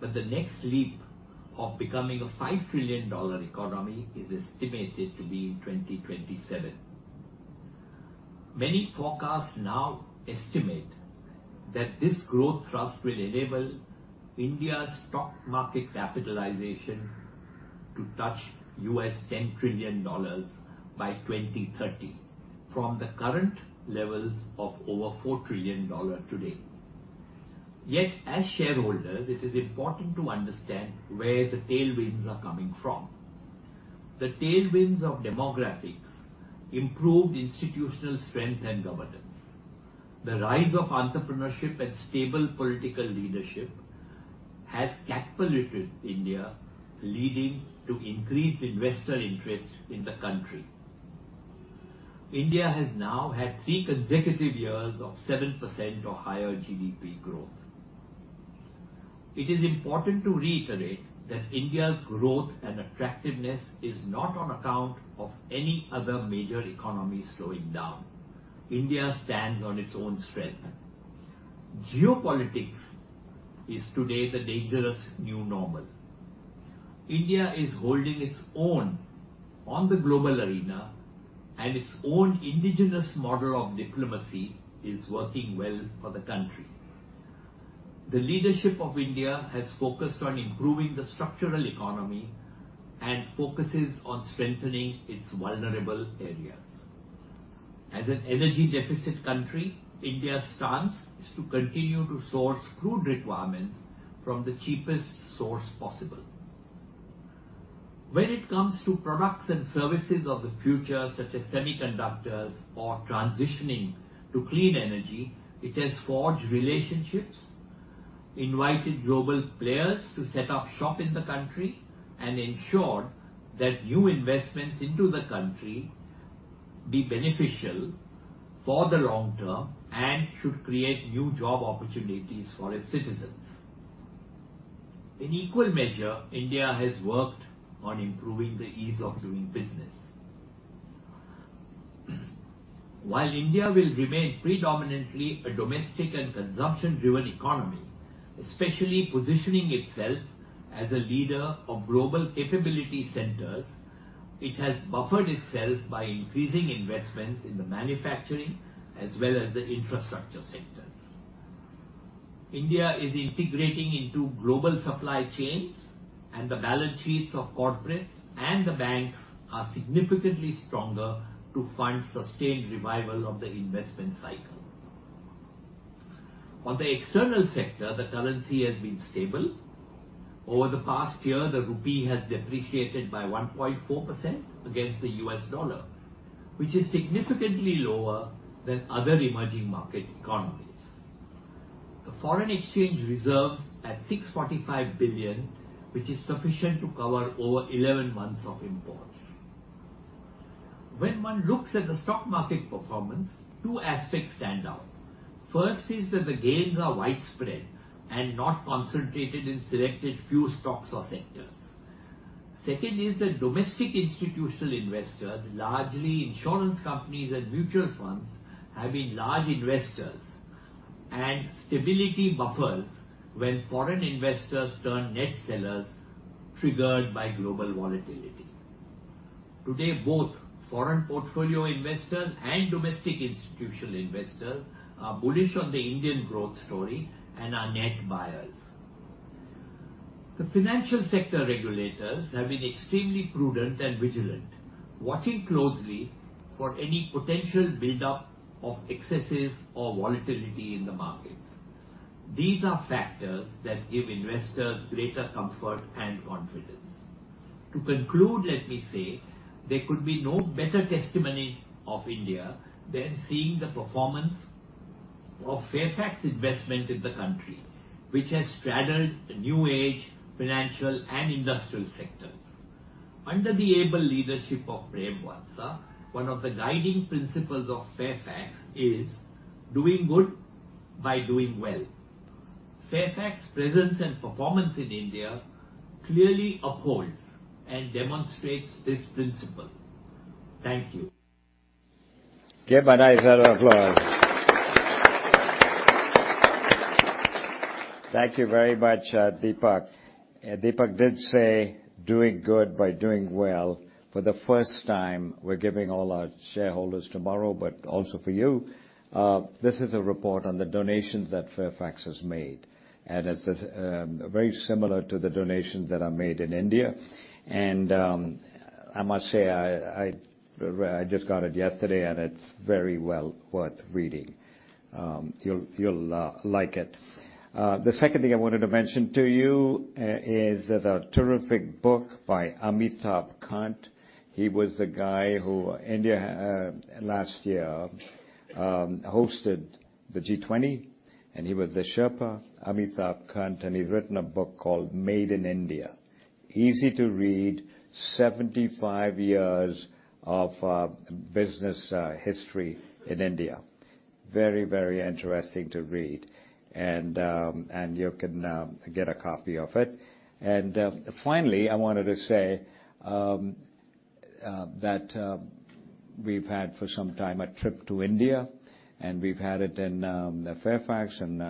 but the next leap of becoming a $5 trillion economy is estimated to be in 2027. Many forecasts now estimate that this growth thrust will enable India's stock market capitalization to touch $10 trillion by 2030 from the current levels of over $4 trillion today. Yet as shareholders, it is important to understand where the tailwinds are coming from. The tailwinds of demographics, improved institutional strength and governance, the rise of entrepreneurship, and stable political leadership has capitalized on India, leading to increased investor interest in the country. India has now had three consecutive years of 7% or higher GDP growth. It is important to reiterate that India's growth and attractiveness is not on account of any other major economy slowing down. India stands on its own strength. Geopolitics is today the dangerous new normal. India is holding its own on the global arena, and its own indigenous model of diplomacy is working well for the country. The leadership of India has focused on improving the structural economy and focuses on strengthening its vulnerable areas. As an energy deficit country, India's stance is to continue to source crude requirements from the cheapest source possible. When it comes to products and services of the future, such as semiconductors or transitioning to clean energy, it has forged relationships, invited global players to set up shop in the country, and ensured that new investments into the country be beneficial for the long term and should create new job opportunities for its citizens. In equal measure, India has worked on improving the ease of doing business. While India will remain predominantly a domestic and consumption-driven economy, especially positioning itself as a leader of global capability centers, it has buffered itself by increasing investments in the manufacturing as well as the infrastructure sectors. India is integrating into global supply chains, and the balance sheets of corporates and the banks are significantly stronger to fund sustained revival of the investment cycle. On the external sector, the currency has been stable. Over the past year, the rupee has depreciated by 1.4% against the US dollar, which is significantly lower than other emerging market economies. The foreign exchange reserves at $645 billion, which is sufficient to cover over 11 months of imports. When one looks at the stock market performance, two aspects stand out. First is that the gains are widespread and not concentrated in selected few stocks or sectors. Second is that domestic institutional investors, largely insurance companies and mutual funds, have been large investors, and stability buffers when foreign investors turn net sellers triggered by global volatility. Today, both foreign portfolio investors and domestic institutional investors are bullish on the Indian growth story and are net buyers. The financial sector regulators have been extremely prudent and vigilant, watching closely for any potential buildup of excesses or volatility in the markets. These are factors that give investors greater comfort and confidence. To conclude, let me say there could be no better testimony of India than seeing the performance of Fairfax investment in the country, which has straddled new-age financial and industrial sectors. Under the able leadership of Prem Watsa, one of the guiding principles of Fairfax is doing good by doing well. Fairfax's presence and performance in India clearly upholds and demonstrates this principle. Thank you. Give a nice applause. Thank you very much, Deepak. Deepak did say doing good by doing well. For the first time, we're giving all our shareholders tomorrow, but also for you. This is a report on the donations that Fairfax has made, and it's very similar to the donations that are made in India. And I must say, I just got it yesterday, and it's very well worth reading. You'll like it. The second thing I wanted to mention to you is there's a terrific book by Amitabh Kant. He was the guy who India last year hosted the G20, and he was the Sherpa, Amitabh Kant. And he's written a book called Made in India, easy to read, 75 years of business history in India. Very, very interesting to read, and you can get a copy of it. And finally, I wanted to say that we've had for some time a trip to India, and we've had it in Fairfax. And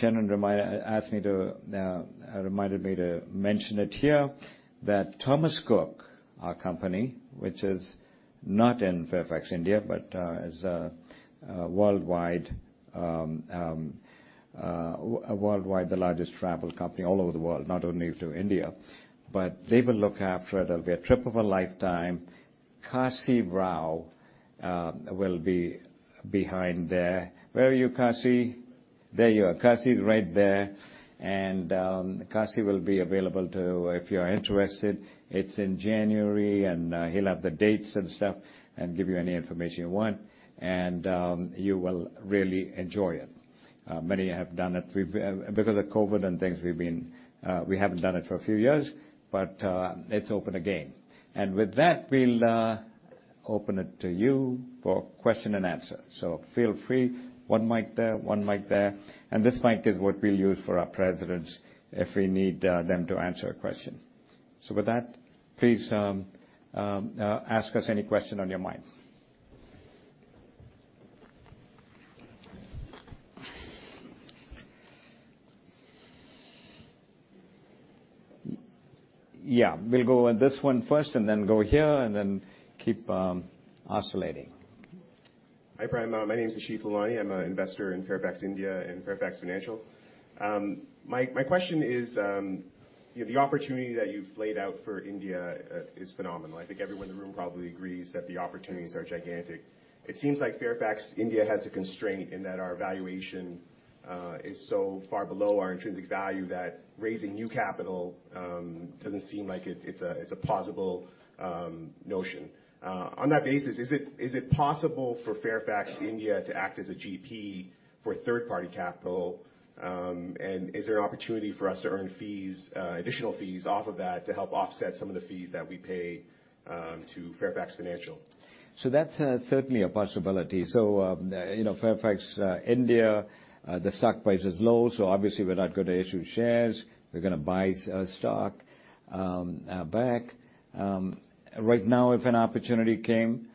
Chandran asked me to reminded me to mention it here, that Thomas Cook, our company, which is not in Fairfax India, but is worldwide the largest travel company all over the world, not only to India. But they will look after it. It'll be a trip of a lifetime. Kasi Rao will be behind there. Where are you, Kasi? There you are. Kasi is right there. And Kasi will be available too, if you're interested. It's in January, and he'll have the dates and stuff and give you any information you want. And you will really enjoy it. Many have done it because of COVID and things. We haven't done it for a few years, but it's open again. With that, we'll open it to you for question and answer. So feel free. One mic there, one mic there. And this mic is what we'll use for our presidents if we need them to answer a question. With that, please ask us any question on your mind. Yeah. We'll go on this one first and then go here and then keep oscillating. Hi Prem. My name is Ashit Lulani. I'm an investor in Fairfax India and Fairfax Financial. My question is, the opportunity that you've laid out for India is phenomenal. I think everyone in the room probably agrees that the opportunities are gigantic. It seems like Fairfax India has a constraint in that our valuation is so far below our intrinsic value that raising new capital doesn't seem like it's a plausible notion. On that basis, is it possible for Fairfax India to act as a GP for third-party capital? And is there an opportunity for us to earn fees, additional fees off of that, to help offset some of the fees that we pay to Fairfax Financial? So that's certainly a possibility. So Fairfax India, the stock price is low, so obviously, we're not going to issue shares. We're going to buy stock back. Right now, if an opportunity came,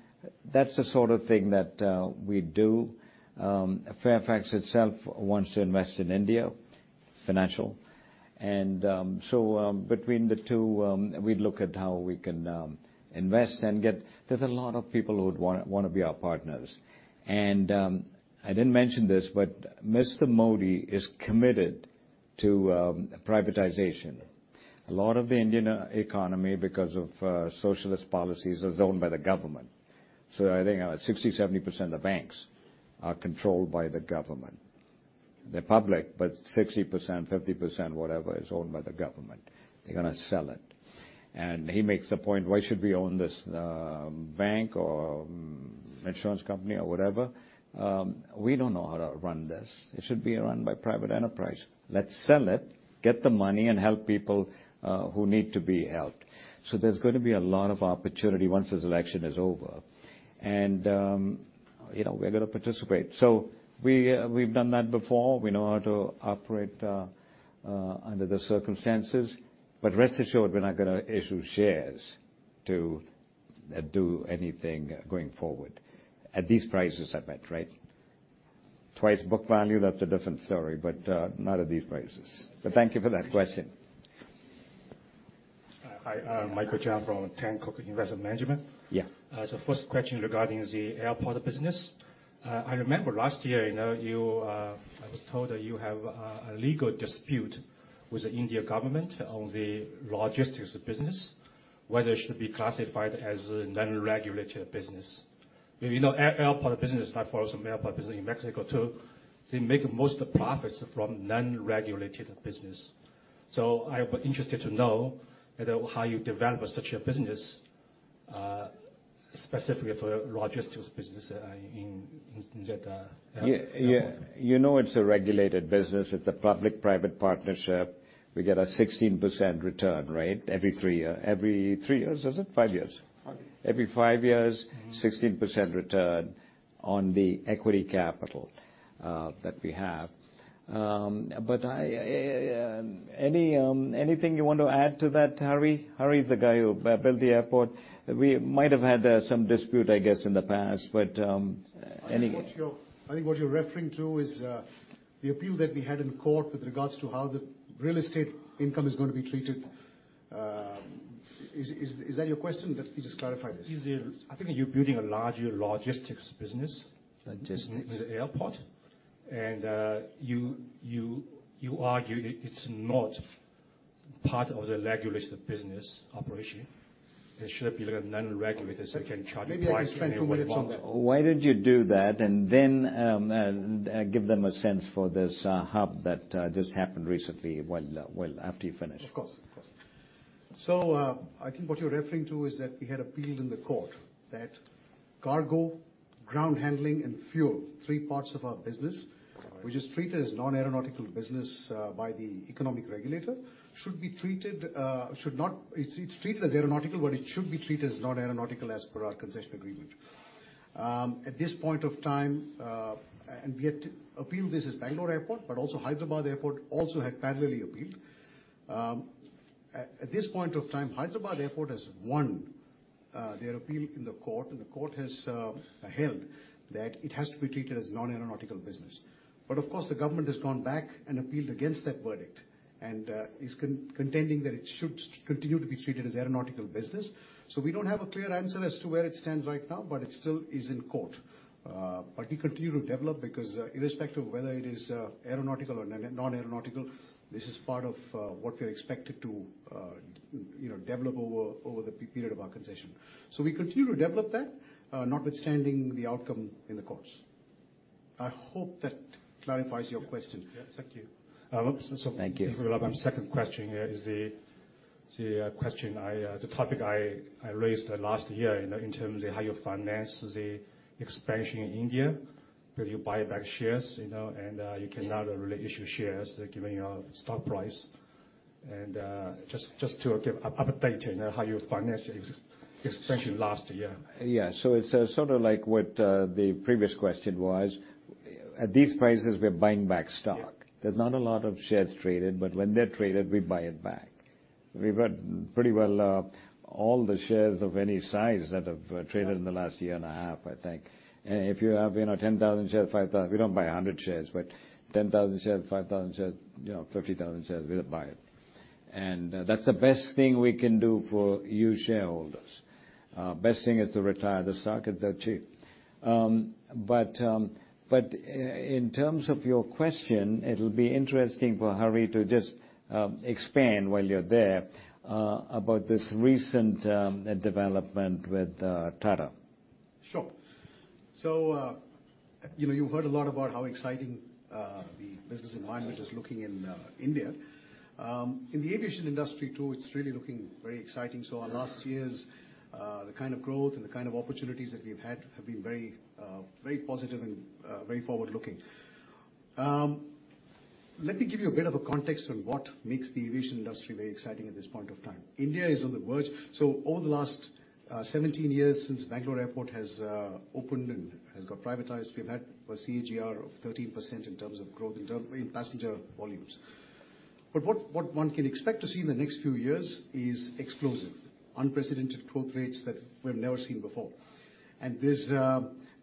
that's the sort of thing that we do. Fairfax Financial wants to invest in India. And so between the two, we'd look at how we can invest and get there. There's a lot of people who'd want to be our partners. And I didn't mention this, but Mr. Modi is committed to privatization. A lot of the Indian economy, because of socialist policies, is owned by the government. So I think 60%-70% of the banks are controlled by the government. They're public, but 60%, 50%, whatever, is owned by the government. They're going to sell it. And he makes the point, "Why should we own this bank or insurance company or whatever? We don't know how to run this. It should be run by private enterprise. Let's sell it, get the money, and help people who need to be helped." So there's going to be a lot of opportunity once this election is over. And we're going to participate. So we've done that before. We know how to operate under the circumstances. But rest assured, we're not going to issue shares to do anything going forward at these prices I've met, right? Twice book value, that's a different story, but not at these prices. But thank you for that question. Hi. [Michael Chan] from Tancook Investment Management. So first question regarding the airport business. I remember last year, I was told that you have a legal dispute with the Indian government on the logistics business, whether it should be classified as a non-regulated business. Airport business, I follow some airport business in Mexico too. They make most profits from non-regulated business. So I would be interested to know how you develop such a business, specifically for a logistics business in that airport. Yeah. You know it's a regulated business. It's a public-private partnership. We get a 16% return, right, every three years. Every three years, is it? Five years. Every five years, 16% return on the equity capital that we have. But anything you want to add to that, Hari? Hari is the guy who built the airport. We might have had some dispute, I guess, in the past, but any. I think what you're referring to is the appeal that we had in court with regards to how the real estate income is going to be treated. Is that your question? Let me just clarify this. I think you're building a larger logistics business with the airport, and you argue it's not part of the regulated business operation. It should be non-regulated so they can't charge you twice anymore. Maybe I can explain 2 minutes on that. Why did you do that and then give them a sense for this hub that just happened recently after you finished? Of course. Of course. So I think what you're referring to is that we had appealed in the court that cargo, ground handling, and fuel, three parts of our business, which is treated as non-aeronautical business by the economic regulator, should be treated should not it's treated as aeronautical, but it should be treated as non-aeronautical as per our concession agreement. At this point of time, and we appealed this as Bangalore Airport, but also Hyderabad Airport also had parallelly appealed. At this point of time, Hyderabad Airport has won their appeal in the court, and the court has held that it has to be treated as non-aeronautical business. But of course, the government has gone back and appealed against that verdict and is contending that it should continue to be treated as aeronautical business. So we don't have a clear answer as to where it stands right now, but it still is in court. But we continue to develop because irrespective of whether it is aeronautical or non-aeronautical, this is part of what we're expected to develop over the period of our concession. So we continue to develop that, notwithstanding the outcome in the courts. I hope that clarifies your question. Yeah. Thank you. Thank you. Thank you for your help. My second question is the question, the topic I raised last year, in terms of how you finance the expansion in India. Do you buy back shares? You cannot really issue shares given your stock price. Just to give an update on how you financed your expansion last year. Yeah. So it's sort of like what the previous question was. At these prices, we're buying back stock. There's not a lot of shares traded, but when they're traded, we buy it back. We've got pretty well all the shares of any size that have traded in the last year and a half, I think. If you have 10,000 shares, 5,000, we don't buy 100 shares, but 10,000 shares, 5,000 shares, 50,000 shares, we'll buy it. And that's the best thing we can do for you shareholders. Best thing is to retire. The stock is cheap. But in terms of your question, it'll be interesting for Hari to just expand while you're there about this recent development with Tata. Sure. So you've heard a lot about how exciting the business environment is looking in India. In the aviation industry too, it's really looking very exciting. So our last years, the kind of growth and the kind of opportunities that we've had have been very positive and very forward-looking. Let me give you a bit of a context on what makes the aviation industry very exciting at this point of time. India is on the verge. So over the last 17 years, since Bangalore Airport has opened and has got privatized, we've had a CAGR of 13% in terms of growth in passenger volumes. But what one can expect to see in the next few years is explosive, unprecedented growth rates that we've never seen before. And this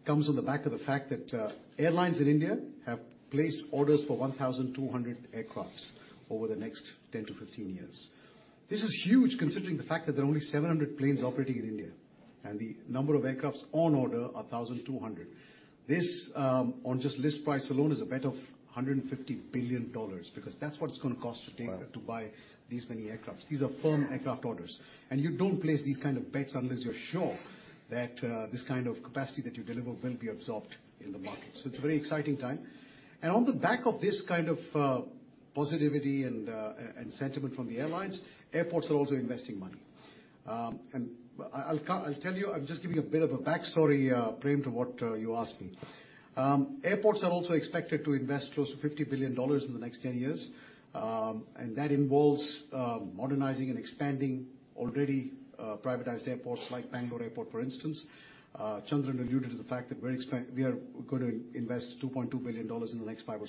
comes on the back of the fact that airlines in India have placed orders for 1,200 aircrafts over the next 10-15 years. This is huge considering the fact that there are only 700 planes operating in India, and the number of aircrafts on order are 1,200. This on just list price alone is a bet of $150 billion because that's what it's going to cost to buy these many aircrafts. These are firm aircraft orders. And you don't place these kind of bets unless you're sure that this kind of capacity that you deliver will be absorbed in the market. So it's a very exciting time. And on the back of this kind of positivity and sentiment from the airlines, airports are also investing money. And I'll tell you, I'm just giving a bit of a backstory, Prem, to what you asked me. Airports are also expected to invest close to $50 billion in the next 10 years. That involves modernizing and expanding already privatized airports like Bangalore Airport, for instance. Chandran alluded to the fact that we are going to invest $2.2 billion in the next 5 or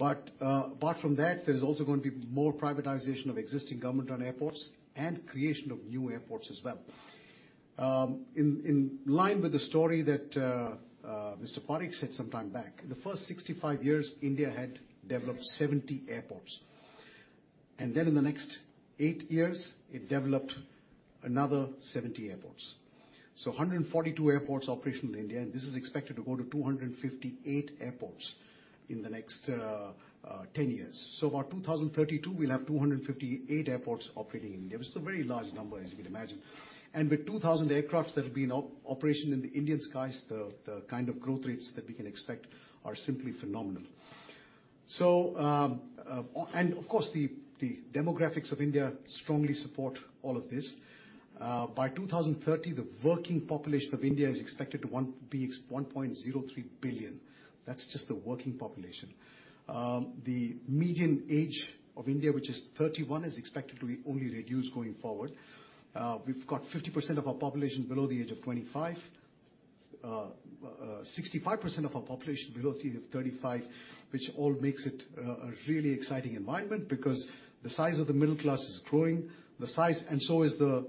6 years. Apart from that, there's also going to be more privatization of existing government-run airports and creation of new airports as well. In line with the story that Mr. Parekh said some time back, in the first 65 years, India had developed 70 airports. Then in the next 8 years, it developed another 70 airports. 142 airports operational in India, and this is expected to go to 258 airports in the next 10 years. About 2032, we'll have 258 airports operating in India, which is a very large number, as you can imagine. With 2,000 aircraft that will be in operation in the Indian skies, the kind of growth rates that we can expect are simply phenomenal. Of course, the demographics of India strongly support all of this. By 2030, the working population of India is expected to be 1.03 billion. That's just the working population. The median age of India, which is 31, is expected to only reduce going forward. We've got 50% of our population below the age of 25, 65% of our population below the age of 35, which all makes it a really exciting environment because the size of the middle class is growing, and so is the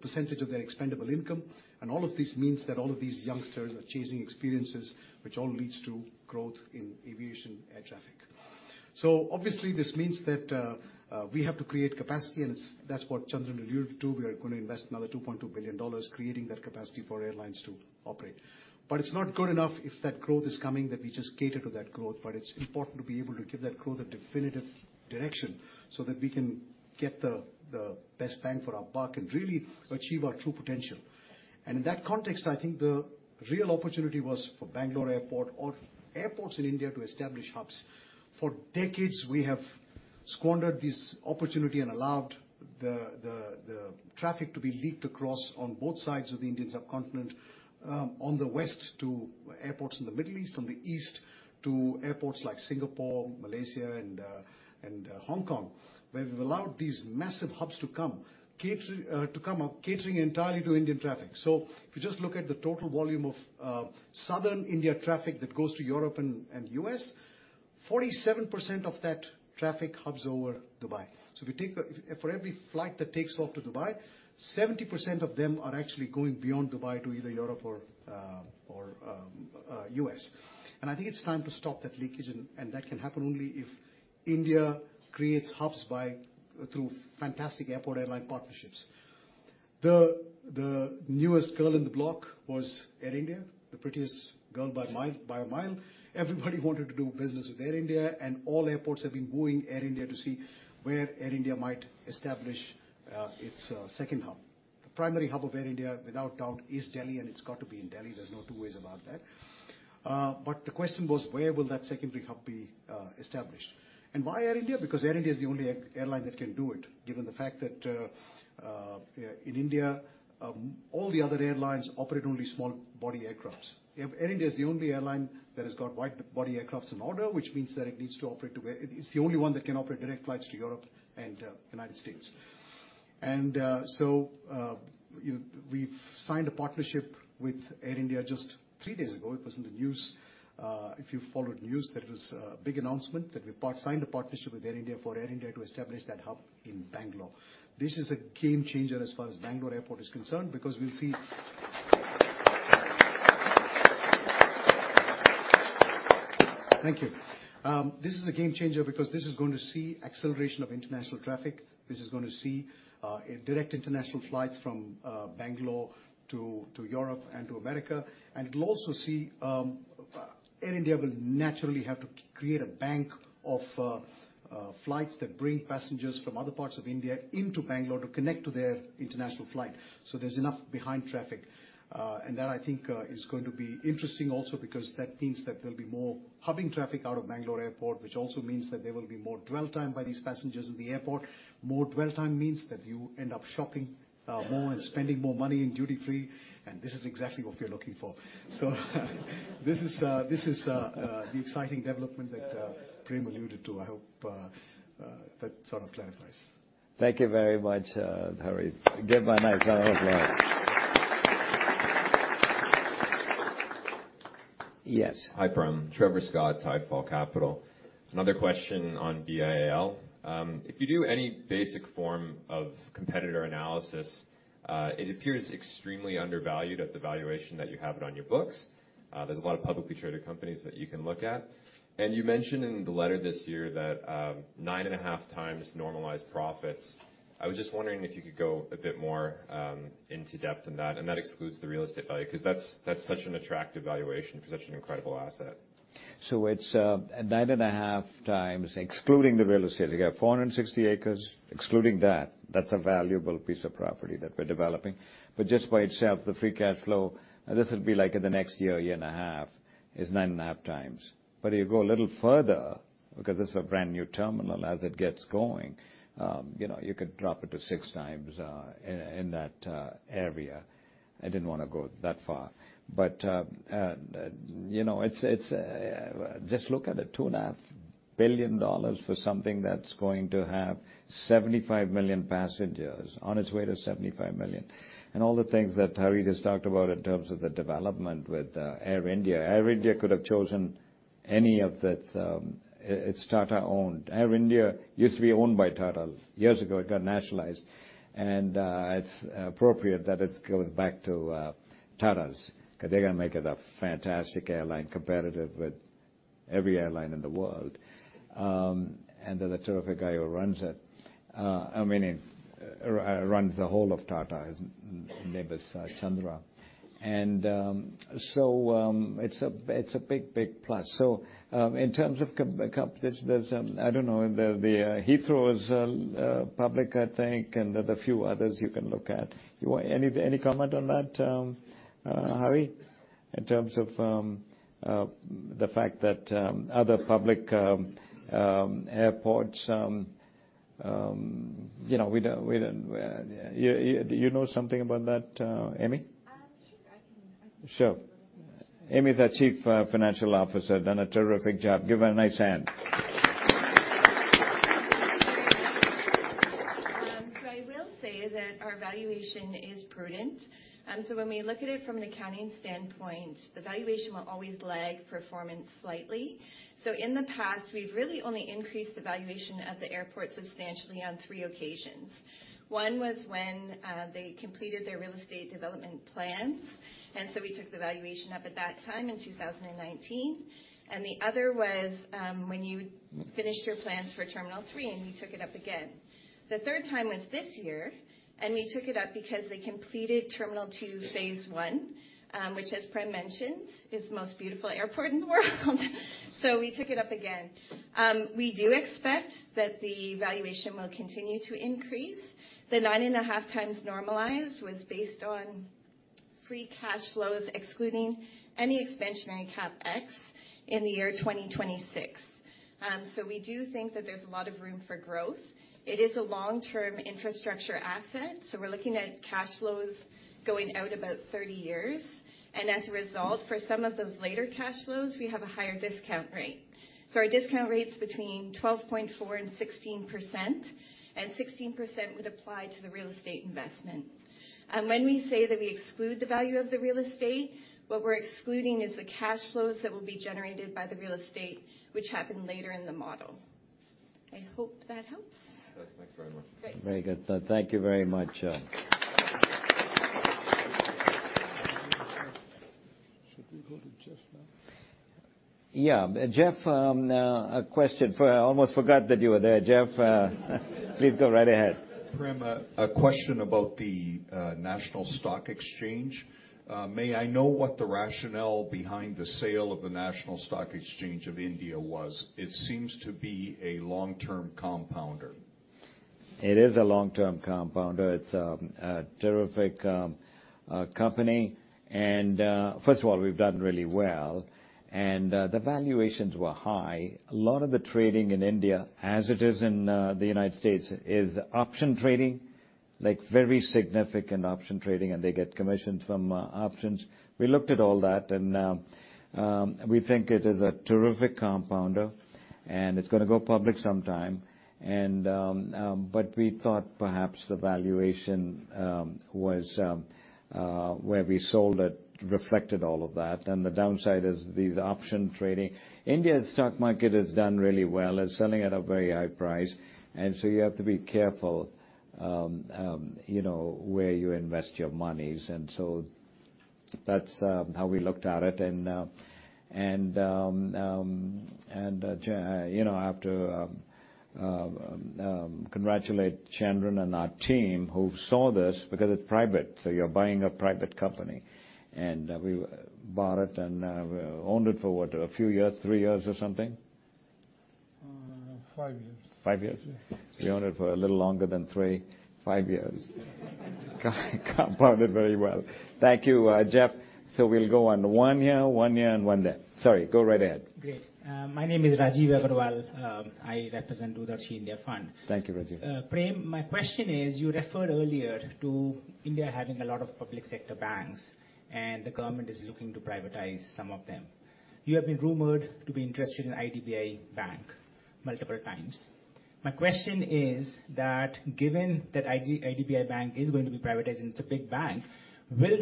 percentage of their expendable income. All of this means that all of these youngsters are chasing experiences, which all leads to growth in aviation air traffic. So obviously, this means that we have to create capacity, and that's what Chandran alluded to. We are going to invest another $2.2 billion creating that capacity for airlines to operate. But it's not good enough if that growth is coming that we just cater to that growth. But it's important to be able to give that growth a definitive direction so that we can get the best bang for our buck and really achieve our true potential. And in that context, I think the real opportunity was for Bangalore Airport or airports in India to establish hubs. For decades, we have squandered this opportunity and allowed the traffic to be leaked across on both sides of the Indian subcontinent, on the west to airports in the Middle East, on the east to airports like Singapore, Malaysia, and Hong Kong, where we've allowed these massive hubs to come catering entirely to Indian traffic. So if you just look at the total volume of southern India traffic that goes to Europe and U.S., 47% of that traffic hubs over Dubai. So if you take for every flight that takes off to Dubai, 70% of them are actually going beyond Dubai to either Europe or U.S. And I think it's time to stop that leakage. And that can happen only if India creates hubs through fantastic airport-airline partnerships. The newest girl in the block was Air India, the prettiest girl by a mile. Everybody wanted to do business with Air India, and all airports have been wooing Air India to see where Air India might establish its second hub. The primary hub of Air India, without doubt, is Delhi, and it's got to be in Delhi. There's no two ways about that. But the question was, where will that secondary hub be established? And why Air India? Because Air India is the only airline that can do it, given the fact that in India, all the other airlines operate only narrow-body aircraft. Air India is the only airline that has got wide-body aircraft in order, which means that it needs to operate to where it's the only one that can operate direct flights to Europe and United States. And so we've signed a partnership with Air India just three days ago. It was in the news. If you've followed news, that was a big announcement that we've signed a partnership with Air India for Air India to establish that hub in Bangalore. This is a game-changer as far as Bangalore Airport is concerned because we'll see thank you. This is a game-changer because this is going to see acceleration of international traffic. This is going to see direct international flights from Bangalore to Europe and to America. And it'll also see Air India will naturally have to create a bank of flights that bring passengers from other parts of India into Bangalore to connect to their international flight. So there's enough behind traffic. And that, I think, is going to be interesting also because that means that there'll be more hubbing traffic out of Bangalore Airport, which also means that there will be more dwell time by these passengers in the airport. More dwell time means that you end up shopping more and spending more money and duty-free. This is exactly what we're looking for. This is the exciting development that Prem alluded to. I hope that sort of clarifies. Thank you very much, Hari. Give my nice round of applause. Yes. Hi, Prem. Trevor Scott, Tidefall Capital. Another question on BIAL. If you do any basic form of competitor analysis, it appears extremely undervalued at the valuation that you have it on your books. There's a lot of publicly traded companies that you can look at. And you mentioned in the letter this year that 9.5 times normalized profits. I was just wondering if you could go a bit more into depth than that. And that excludes the real estate value because that's such an attractive valuation for such an incredible asset. So it's 9.5x excluding the real estate. You have 460 acres. Excluding that, that's a valuable piece of property that we're developing. But just by itself, the free cash flow this'll be like in the next year, year and a half is 9.5x. But if you go a little further because this is a brand new terminal, as it gets going, you could drop it to 6x in that area. I didn't want to go that far. But just look at it. $2.5 billion for something that's going to have 75 million passengers on its way to 75 million. And all the things that Hari just talked about in terms of the development with Air India. Air India could have chosen any of its Tata-owned. Air India used to be owned by Tata years ago. It got nationalized. It's appropriate that it goes back to Tatas because they're going to make it a fantastic airline, competitive with every airline in the world. And there's a terrific guy who runs it, I mean, runs the whole of Tata, his name is Chandra. And so it's a big, big plus. So in terms of competition, there's. I don't know. The Heathrow is public, I think, and there are a few others you can look at. Any comment on that, Hari? In terms of the fact that other public airports, you know something about that, Amy? Sure. I can. Sure. Amy's our Chief Financial Officer. Done a terrific job. Give her a nice hand. So I will say that our valuation is prudent. So when we look at it from an accounting standpoint, the valuation will always lag performance slightly. So in the past, we've really only increased the valuation of the airport substantially on three occasions. One was when they completed their real estate development plans. And so we took the valuation up at that time in 2019. And the other was when you finished your plans for Terminal 3 and you took it up again. The third time was this year. And we took it up because they completed Terminal 2 Phase 1, which, as Prem mentioned, is the most beautiful airport in the world. So we took it up again. We do expect that the valuation will continue to increase. The 9.5x normalized was based on free cash flows excluding any expansionary CapEx in the year 2026. So we do think that there's a lot of room for growth. It is a long-term infrastructure asset. So we're looking at cash flows going out about 30 years. And as a result, for some of those later cash flows, we have a higher discount rate. So our discount rate's between 12.4%-16%. And 16% would apply to the real estate investment. When we say that we exclude the value of the real estate, what we're excluding is the cash flows that will be generated by the real estate, which happen later in the model. I hope that helps. Yes. Thanks very much. Great. Very good. Thank you very much. Should we go to Jeff now? Yeah. Jeff, a question. Almost forgot that you were there. Jeff, please go right ahead. Prem, a question about the National Stock Exchange. May I know what the rationale behind the sale of the National Stock Exchange of India was? It seems to be a long-term compounder. It is a long-term compounder. It's a terrific company. First of all, we've done really well. The valuations were high. A lot of the trading in India, as it is in the United States, is option trading, very significant option trading, and they get commissions from options. We looked at all that. We think it is a terrific compounder. It's going to go public sometime. But we thought perhaps the valuation was where we sold it reflected all of that. The downside is these option trading India's stock market has done really well. It's selling at a very high price. So you have to be careful where you invest your monies. That's how we looked at it. I have to congratulate Chandran and our team who saw this because it's private. You're buying a private company. We bought it and owned it for what, a few years, three years or something? Five years. Five years? Yeah. We owned it for a little longer than 3.5 years. Compounded very well. Thank you, Jeff. So we'll go on one year, one year, and one there. Sorry. Go right ahead. Great. My name is Rajeev Agrawal. I represent DoorDarshi India Fund. Thank you, Rajeev. Prem, my question is, you referred earlier to India having a lot of public sector banks, and the government is looking to privatize some of them. You have been rumored to be interested in IDBI Bank multiple times. My question is that given that IDBI Bank is going to be privatized, and it's a big bank, will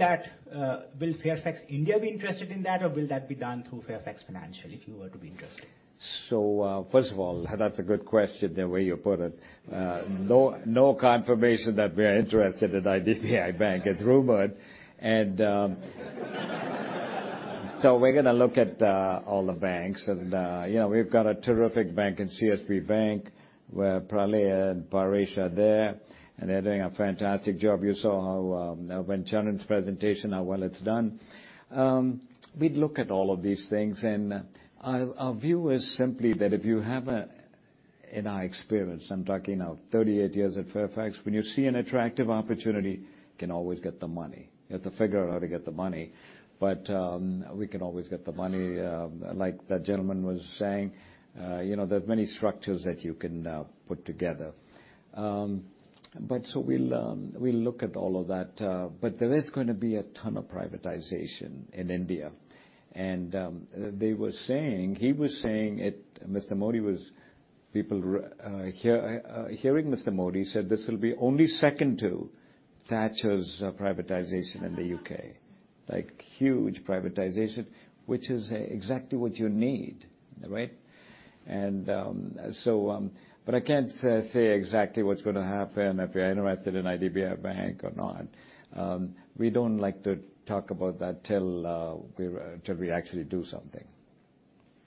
Fairfax India be interested in that, or will that be done through Fairfax Financial if you were to be interested? So first of all, that's a good question, the way you put it. No confirmation that we are interested in IDBI Bank. It's rumored. So we're going to look at all the banks. We've got a terrific bank in CSB Bank, probably Paresh are there. They're doing a fantastic job. You saw when Chandran's presentation how well it's done. We'd look at all of these things. Our view is simply that if you have, in our experience, I'm talking now 38 years at Fairfax, when you see an attractive opportunity, you can always get the money. You have to figure out how to get the money. But we can always get the money. Like that gentleman was saying, there's many structures that you can put together. So we'll look at all of that. But there is going to be a ton of privatization in India. And they were saying he was saying it. Mr. Modi was—people hearing Mr. Modi said this will be only second to Thatcher's privatization in the U.K.—huge privatization, which is exactly what you need, right? But I can't say exactly what's going to happen if you're interested in IDBI Bank or not. We don't like to talk about that till we actually do something.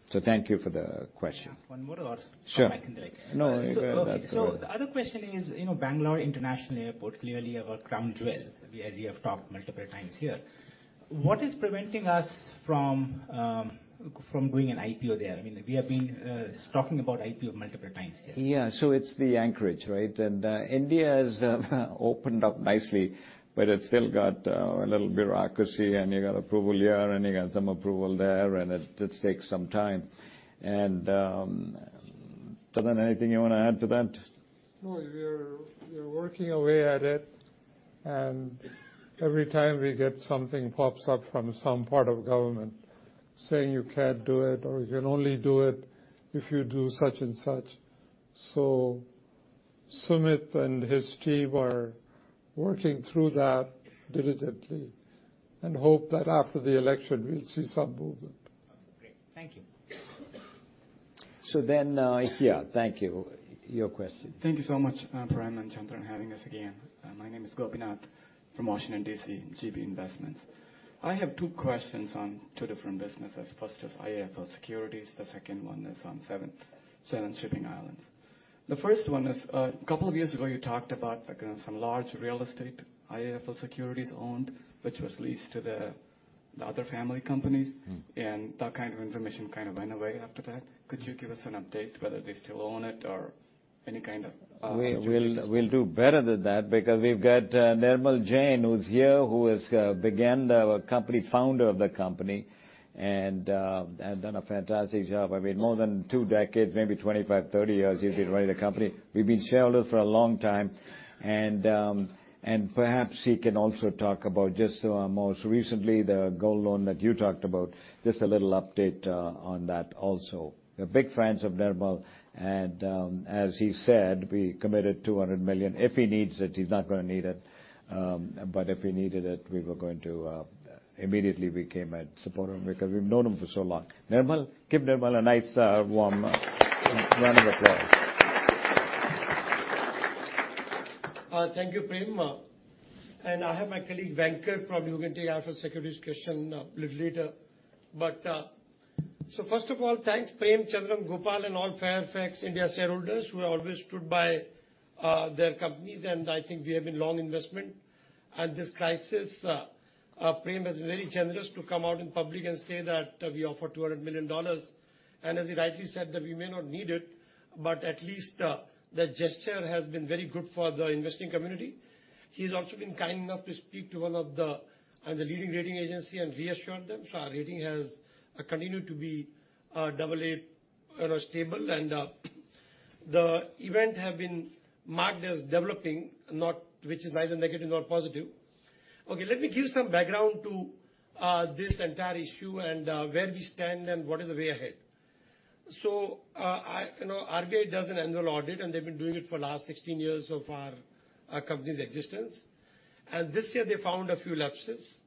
So thank you for the question. Last one. One or more. Sure. I can delay. No. So the other question is, Bangalore International Airport clearly a crown jewel, as you have talked multiple times here. What is preventing us from doing an IPO there? I mean, we have been talking about IPO multiple times here. Yeah. So it's the Anchorage, right? And India has opened up nicely, but it's still got a little bureaucracy. And you got approval here, and you got some approval there. And it just takes some time. And do you have anything you want to add to that? No. We're working away at it. Every time we get something pops up from some part of government saying you can't do it or you can only do it if you do such and such. So Sumit and his team are working through that diligently and hope that after the election, we'll see some movement. Okay. Great. Thank you. So then yeah. Thank you. Your question. Thank you so much, Prem and Chandran, having us again. My name is Gopinath from Washington, D.C., GB Investments. I have two questions on two different businesses, first is IIFL Securities. The second one is on Seven Islands Shipping. The first one is a couple of years ago, you talked about some large real estate IIFL Securities owned, which was leased to the other family companies. And that kind of information kind of went away after that. Could you give us an update whether they still own it or any kind of? We'll do better than that because we've got Nirmal Jain, who's here, who began the company, founder of the company and done a fantastic job. I mean, more than two decades, maybe 25, 30 years, he's been running the company. We've been shareholders for a long time. And perhaps he can also talk about just most recently, the gold loan that you talked about, just a little update on that also. We're big fans of Nirmal. And as he said, we committed $200 million. If he needs it, he's not going to need it. But if he needed it, we were going to immediately, we came and support him because we've known him for so long. Nirmal, give Nirmal a nice, warm round of applause. Thank you, Prem. I have my colleague, Venkat, probably who can take IIFL Securities' question a little later. First of all, thanks, Prem, Chandran, Gopal, and all Fairfax India shareholders who have always stood by their companies. I think we have been long investment. This crisis, Prem has been very generous to come out in public and say that we offer $200 million. As he rightly said, that we may not need it, but at least that gesture has been very good for the investing community. He's also been kind enough to speak to one of the leading rating agencies and reassured them. Our rating has continued to be AA stable. The event has been marked as developing, which is neither negative nor positive. Okay. Let me give some background to this entire issue and where we stand and what is the way ahead. RBI does an annual audit, and they've been doing it for the last 16 years of our company's existence. This year, they found a few lapses.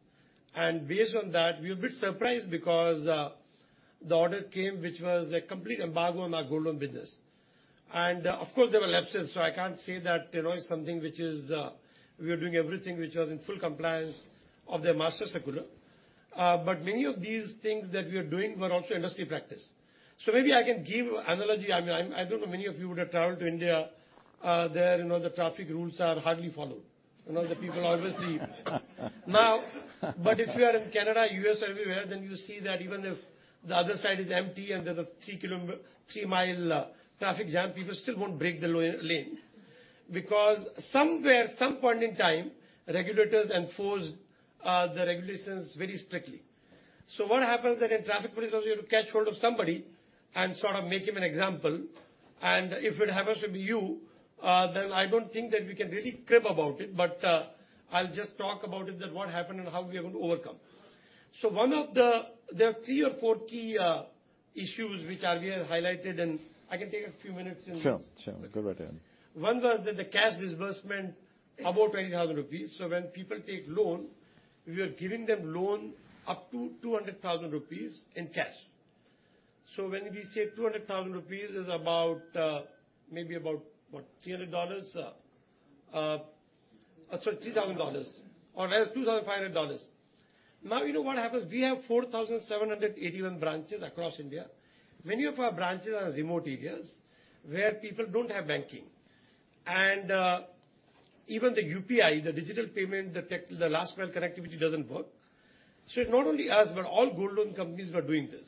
Based on that, we were a bit surprised because the order came, which was a complete embargo on our gold loan business. Of course, there were lapses. I can't say that it's something which is we were doing everything which was in full compliance of their master circular. Many of these things that we are doing were also industry practice. Maybe I can give an analogy. I mean, I don't know. Many of you would have traveled to India. There, the traffic rules are hardly followed. The people obviously now. But if you are in Canada, U.S., or everywhere, then you see that even if the other side is empty and there's a 3-mile traffic jam, people still won't break the lane because somewhere, some point in time, regulators enforced the regulations very strictly. So what happens is that in traffic police, you have to catch hold of somebody and sort of make him an example. And if it happens to be you, then I don't think that we can really crib about it. But I'll just talk about it, that what happened and how we are going to overcome. So one of the there are 3 or 4 key issues which RBI has highlighted. And I can take a few minutes and. Sure. Sure. Go right ahead. One was that the cash disbursement, about 20,000 rupees. So when people take loan, we are giving them loan up to 200,000 rupees in cash. So when we say 200,000 rupees is maybe about, what, $300? Sorry, $3,000 or rather, $2,500. Now, you know what happens? We have 4,781 branches across India. Many of our branches are in remote areas where people don't have banking. And even the UPI, the digital payment, the last-mile connectivity doesn't work. So it's not only us, but all gold loan companies were doing this.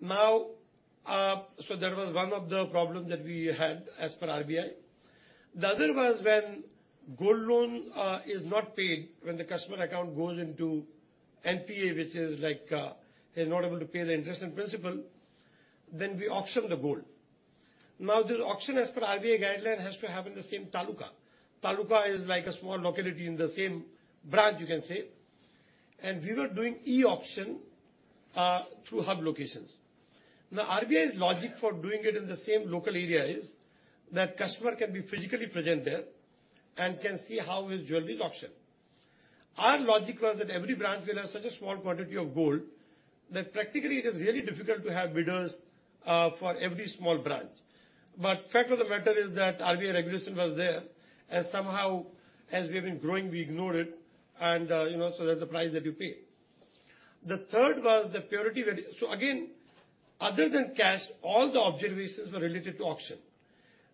So that was one of the problems that we had as per RBI. The other was when gold loan is not paid, when the customer account goes into NPA, which is he's not able to pay the interest and principal, then we auction the gold. Now, this auction, as per RBI guideline, has to happen in the same taluka. Taluka is like a small locality in the same branch, you can say. And we were doing e-auction through hub locations. Now, RBI's logic for doing it in the same local area is that customer can be physically present there and can see how his jewelry is auctioned. Our logic was that every branch, we'll have such a small quantity of gold that practically, it is really difficult to have bidders for every small branch. But fact of the matter is that RBI regulation was there. And somehow, as we have been growing, we ignored it. And so that's the price that you pay. The third was the purity value. So again, other than cash, all the observations were related to auction.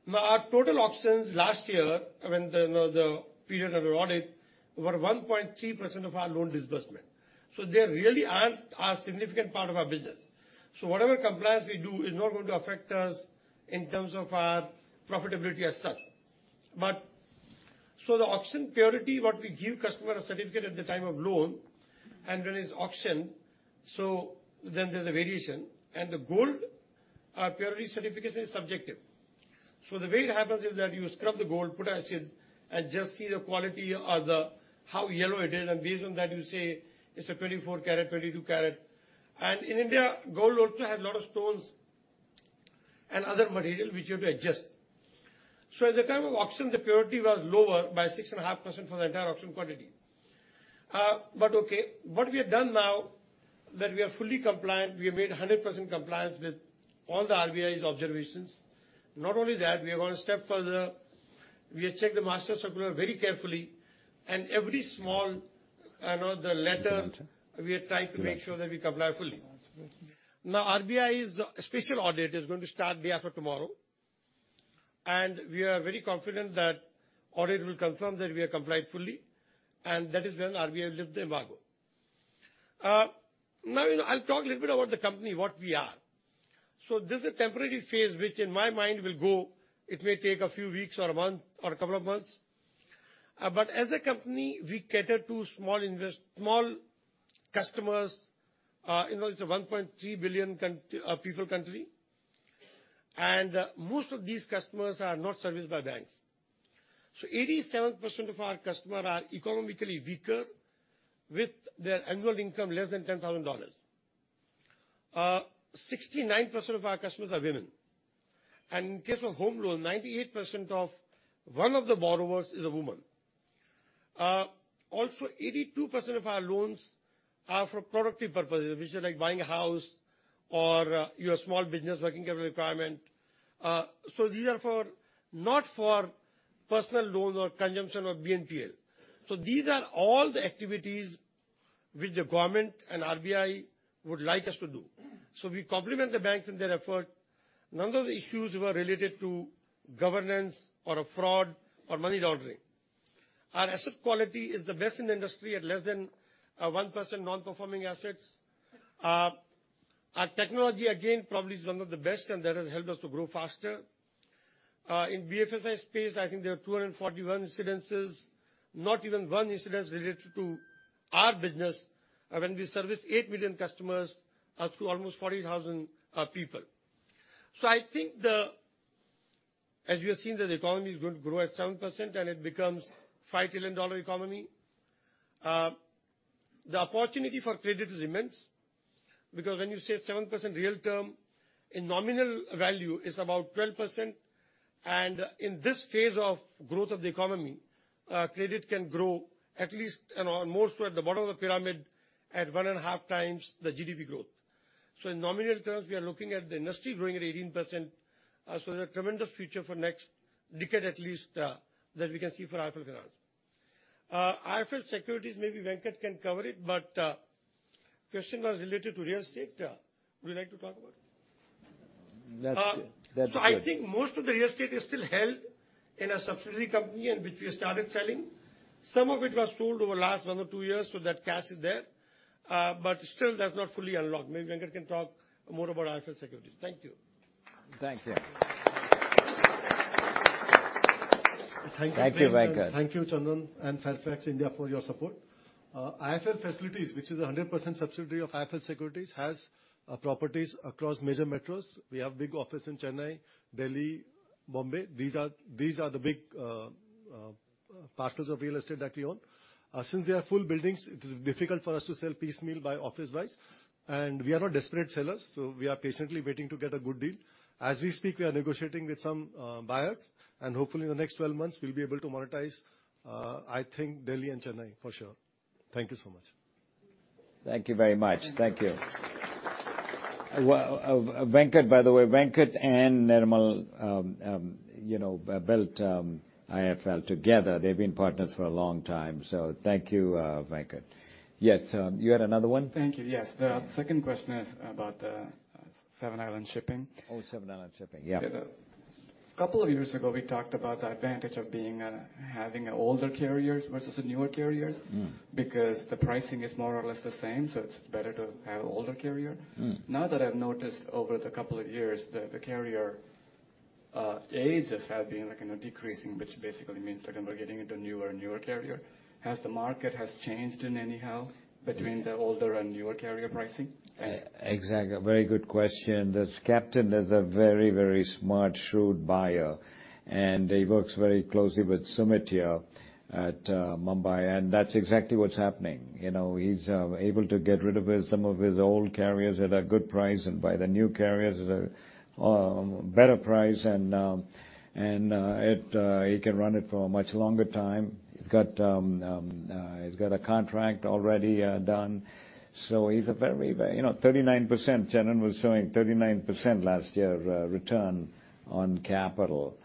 Now, our total auctions last year, when the period of the audit, were 1.3% of our loan disbursement. So they really aren't a significant part of our business. So whatever compliance we do is not going to affect us in terms of our profitability as such. So the auction purity, what we give customer a certificate at the time of loan, and when it's auctioned, so then there's a variation. And the gold purity certification is subjective. So the way it happens is that you scrub the gold, put acid, and just see the quality or how yellow it is. And based on that, you say it's a 24-carat, 22-carat. And in India, gold also has a lot of stones and other material, which you have to adjust. So at the time of auction, the purity was lower by 6.5% for the entire auction quantity. But okay. What we have done now, that we are fully compliant, we have made 100% compliance with all the RBI's observations. Not only that, we are going to step further. We have checked the master circular very carefully. Every small letter, we have tried to make sure that we comply fully. Now, RBI's special audit is going to start the day after tomorrow. And we are very confident that audit will confirm that we have complied fully. And that is when RBI will lift the embargo. Now, I'll talk a little bit about the company, what we are. This is a temporary phase, which in my mind will go. It may take a few weeks or a month or a couple of months. But as a company, we cater to small customers. It's a 1.3 billion people country. And most of these customers are not serviced by banks. So 87% of our customers are economically weaker with their annual income less than $10,000. 69% of our customers are women. In case of home loans, 98% of one of the borrowers is a woman. Also, 82% of our loans are for productive purposes, which are like buying a house or you have a small business, working capital requirement. So these are not for personal loans or consumption or BNPL. So we complement the banks in their effort. None of the issues were related to governance or fraud or money laundering. Our asset quality is the best in the industry at less than 1% non-performing assets. Our technology, again, probably is one of the best. And that has helped us to grow faster. In BFSI space, I think there were 241 incidents, not even one incident related to our business when we serviced 8 million customers through almost 40,000 people. So I think that, as you have seen, the economy is going to grow at 7%, and it becomes a $5 trillion economy. The opportunity for credit is immense because when you say 7% real term, in nominal value, is about 12%. And in this phase of growth of the economy, credit can grow at least or more so at the bottom of the pyramid at 1.5 times the GDP growth. So in nominal terms, we are looking at the industry growing at 18%. So there's a tremendous future for next decade, at least, that we can see for IIFL Finance. IIFL Securities, maybe Venkat can cover it. But the question was related to real estate. Would you like to talk about it? That's good. That's good. I think most of the real estate is still held in a subsidiary company which we started selling. Some of it was sold over the last one or two years. That cash is there. But still, that's not fully unlocked. Maybe Venkat can talk more about IIFL Securities. Thank you. Thank you. Thank you, Venkat. Thank you, Venkat. Thank you, Chandran and Fairfax India for your support. IIFL Facilities, which is 100% subsidiary of IIFL Securities, has properties across major metros. We have big offices in Chennai, Delhi, Bombay. These are the big parcels of real estate that we own. Since they are full buildings, it is difficult for us to sell piecemeal by office-wise. We are not desperate sellers. We are patiently waiting to get a good deal. As we speak, we are negotiating with some buyers. Hopefully, in the next 12 months, we'll be able to monetize, I think, Delhi and Chennai for sure. Thank you so much. Thank you very much. Thank you. Venkat, by the way, Venkat and Nirmal built IIFL together. They've been partners for a long time. So thank you, Venkat. Yes. You had another one? Thank you. Yes. The second question is about Seven Islands Shipping. Oh, Seven Islands Shipping. Yeah. A couple of years ago, we talked about the advantage of having older carriers versus newer carriers because the pricing is more or less the same. So it's better to have an older carrier. Now that I've noticed over the couple of years, the carrier ages have been decreasing, which basically means we're getting into a newer and newer carrier. Has the market changed in any way between the older and newer carrier pricing? Exactly. Very good question. The captain is a very, very smart, shrewd buyer. And he works very closely with Sumit at Mumbai. And that's exactly what's happening. He's able to get rid of some of his old carriers at a good price and buy the new carriers at a better price. And he can run it for a much longer time. He's got a contract already done. So he's a very 39%. Chandran was showing 39% last year return on capital.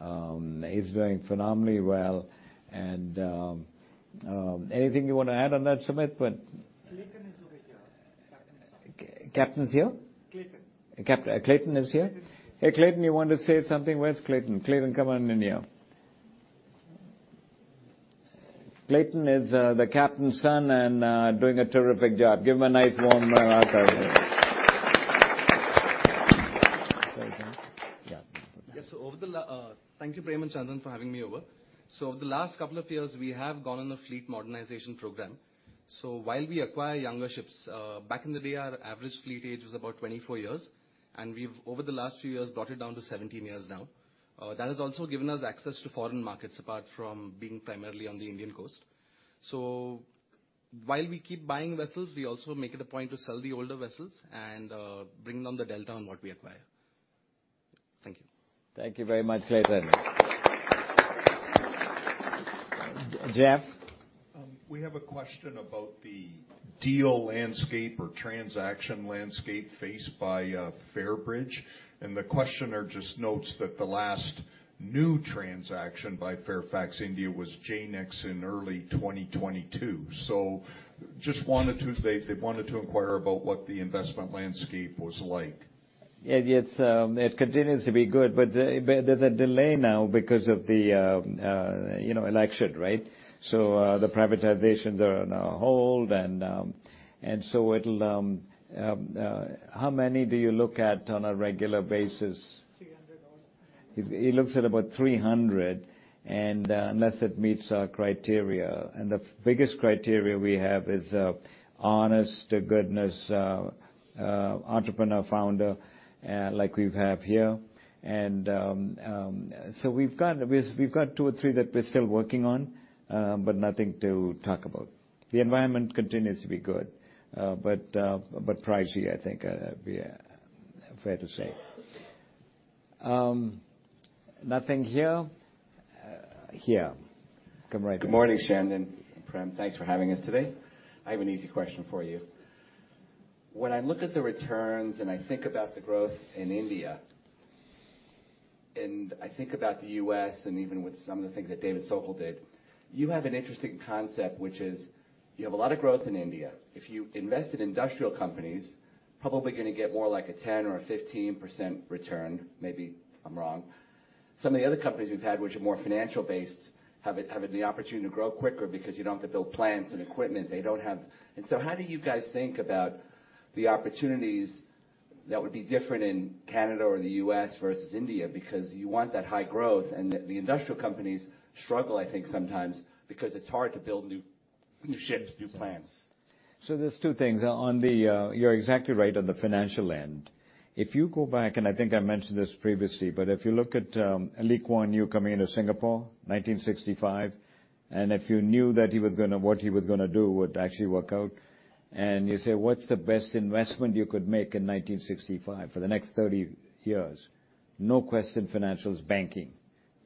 He's doing phenomenally well. And anything you want to add on that, Sumit? But. Clayton is over here. Captain is here. Captain is here? Clayton. Clayton is here? Hey, Clayton, you wanted to say something. Where's Clayton? Clayton, come on in here. Clayton is the captain's son and doing a terrific job. Give him a nice warm round of applause. Yeah. So thank you, Prem and Chandran, for having me over. So over the last couple of years, we have gone on a fleet modernization program. So while we acquire younger ships, back in the day, our average fleet age was about 24 years. And we've, over the last few years, brought it down to 17 years now. That has also given us access to foreign markets apart from being primarily on the Indian coast. So while we keep buying vessels, we also make it a point to sell the older vessels and bring down the delta on what we acquire. Thank you. Thank you very much, Clayton. Jeff? We have a question about the deal landscape or transaction landscape faced by Fairbridge. The questioner just notes that the last new transaction by Fairfax India was Jaynix in early 2022. They just wanted to inquire about what the investment landscape was like. Yeah. It continues to be good. But there's a delay now because of the election, right? So the privatizations are on hold. And so it'll how many do you look at on a regular basis? 300 or. He looks at about 300 unless it meets our criteria. The biggest criteria we have is honest, goodness, entrepreneur, founder like we have here. So we've got two or three that we're still working on but nothing to talk about. The environment continues to be good but pricey, I think, fair to say. Nothing here. Here. Come right here. Good morning, Shannon and Prem. Thanks for having us today. I have an easy question for you. When I look at the returns and I think about the growth in India and I think about the U.S. and even with some of the things that David Sokol did, you have an interesting concept, which is you have a lot of growth in India. If you invest in industrial companies, probably going to get more like a 10% or a 15% return. Maybe I'm wrong. Some of the other companies we've had, which are more financial-based, have the opportunity to grow quicker because you don't have to build plants and equipment. And so how do you guys think about the opportunities that would be different in Canada or the U.S. versus India? Because you want that high growth. The industrial companies struggle, I think, sometimes because it's hard to build new ships, new plants. So there's 2 things. You're exactly right on the financial end. If you go back and I think I mentioned this previously. But if you look at Lee Kuan Yew coming into Singapore in 1965 and if you knew what he was going to do would actually work out and you say, "What's the best investment you could make in 1965 for the next 30 years?" No question financials, banking.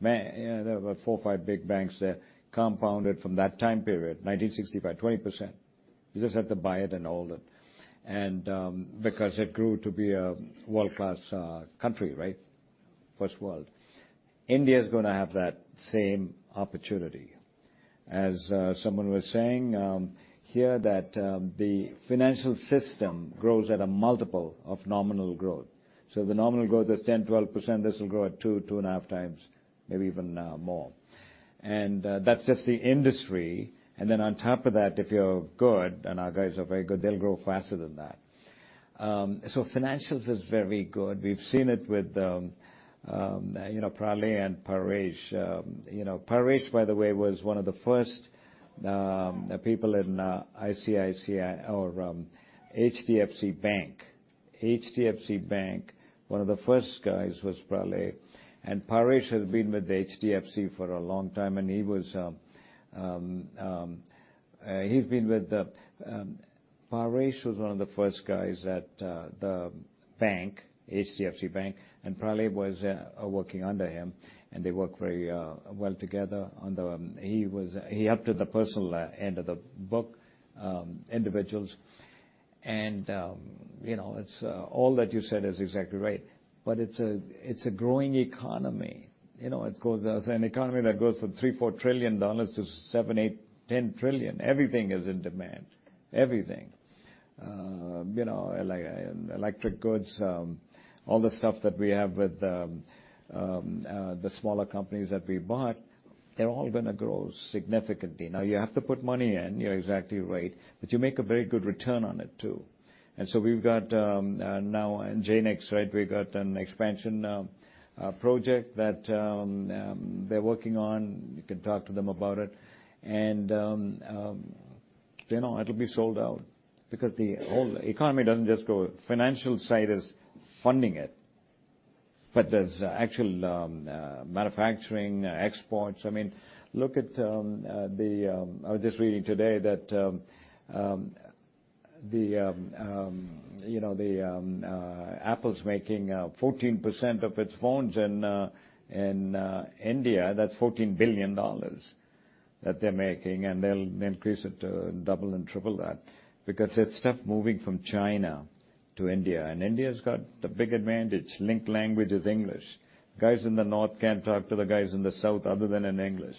There were 4 or 5 big banks there compounded from that time period, 1965, 20%. You just have to buy it and hold it because it grew to be a world-class country, right, first world. India is going to have that same opportunity. As someone was saying here, that the financial system grows at a multiple of nominal growth. So the nominal growth is 10%-12%. This will grow at 2-2.5 times, maybe even more. That's just the industry. Then on top of that, if you're good and our guys are very good, they'll grow faster than that. So financials is very good. We've seen it with Pralay and Paresh. Paresh, by the way, was one of the first people in ICICI or HDFC Bank. HDFC Bank, one of the first guys was Pralay. And Paresh has been with the HDFC for a long time. And he was he's been with Paresh was one of the first guys at the bank, HDFC Bank. And Pralay was working under him. And they worked very well together on the he helped with the personal end of the book, individuals. And it's all that you said is exactly right. But it's a growing economy. It's an economy that goes from $3-$4 trillion to $7-$8-$10 trillion. Everything is in demand, everything, like electric goods, all the stuff that we have with the smaller companies that we bought. They're all going to grow significantly. Now, you have to put money in. You're exactly right. But you make a very good return on it too. And so we've got now in Jaynix, right, we've got an expansion project that they're working on. You can talk to them about it. And it'll be sold out because the whole economy doesn't just grow financial side is funding it. But there's actual manufacturing, exports. I mean, look at the I was just reading today that the Apple's making 14% of its phones in India. That's $14 billion that they're making. And they'll increase it to double and triple that because it's stuff moving from China to India. And India's got the big advantage. Linked language is English. Guys in the north can't talk to the guys in the south other than in English.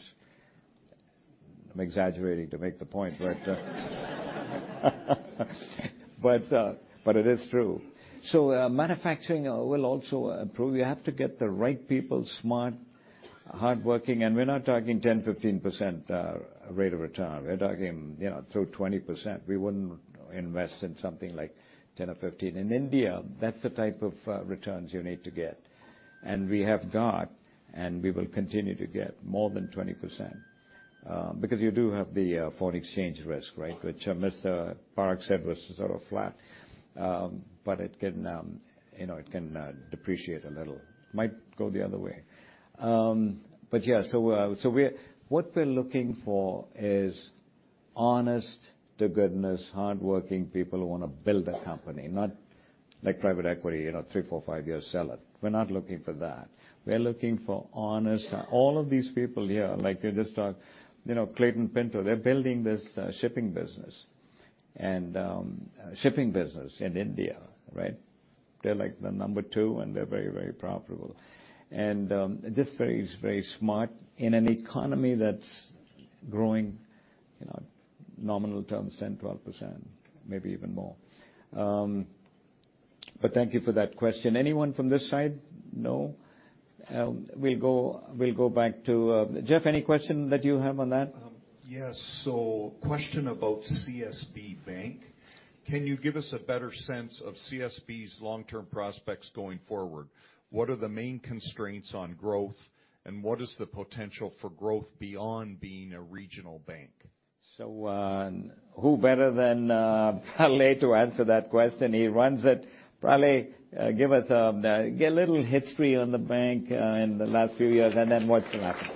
I'm exaggerating to make the point. But it is true. So manufacturing will also improve. You have to get the right people smart, hardworking. And we're not talking 10%, 15% rate of return. We're talking through 20%. We wouldn't invest in something like 10 or 15. In India, that's the type of returns you need to get. And we have got and we will continue to get more than 20% because you do have the foreign exchange risk, right, which Mr. Parekh said was sort of flat. But it can depreciate a little. It might go the other way. But yeah. So what we're looking for is honest, goodness, hardworking people who want to build a company, not like private equity, 3, 4, 5 years, sell it. We're not looking for that. We're looking for honest all of these people here, like you just talked, Clayton Pinto. They're building this shipping business in India, right? They're the number two. And they're very, very profitable. And just very, very smart in an economy that's growing, nominal terms, 10%-12%, maybe even more. But thank you for that question. Anyone from this side know? We'll go back to Jeff, any question that you have on that? Yes. So question about CSB Bank. Can you give us a better sense of CSB's long-term prospects going forward? What are the main constraints on growth? And what is the potential for growth beyond being a regional bank? So who better than Pralay to answer that question? He runs it. Pralay, give us a little history on the bank in the last few years. And then watch what happens.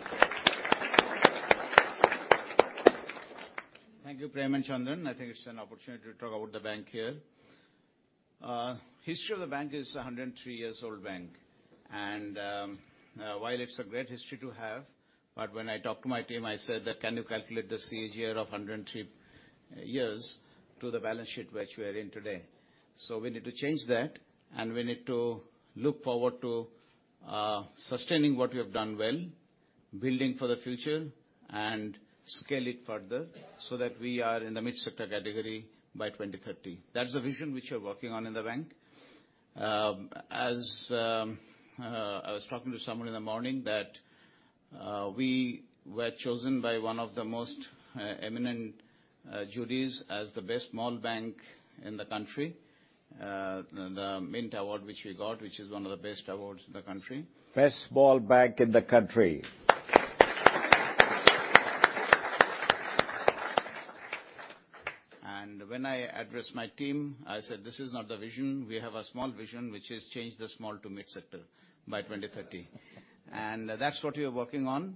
Thank you, Prem and Chandran. I think it's an opportunity to talk about the bank here. History of the bank is 103 years old bank. While it's a great history to have, but when I talked to my team, I said that, "Can you calculate the CAGR of 103 years to the balance sheet which we are in today?" We need to change that. We need to look forward to sustaining what we have done well, building for the future, and scale it further so that we are in the mid-sector category by 2030. That's the vision which we're working on in the bank. As I was talking to someone in the morning, that we were chosen by one of the most eminent judges as the best small bank in the country, the Mint Award which we got, which is one of the best awards in the country. Best small bank in the country. And when I addressed my team, I said, "This is not the vision. We have a small vision, which is change the small to mid-sector by 2030." And that's what we are working on.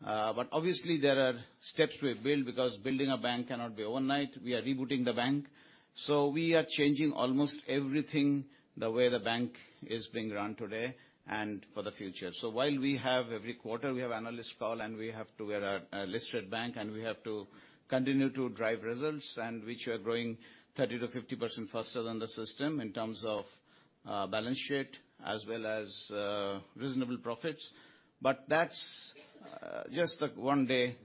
But obviously, there are steps to be built because building a bank cannot be overnight. We are rebooting the bank. So we are changing almost everything the way the bank is being run today and for the future. So while we have every quarter, we have analyst call. And we have to we're a listed bank. And we have to continue to drive results in which we are growing 30%-50% faster than the system in terms of balance sheet as well as reasonable profits. But that's just the one-day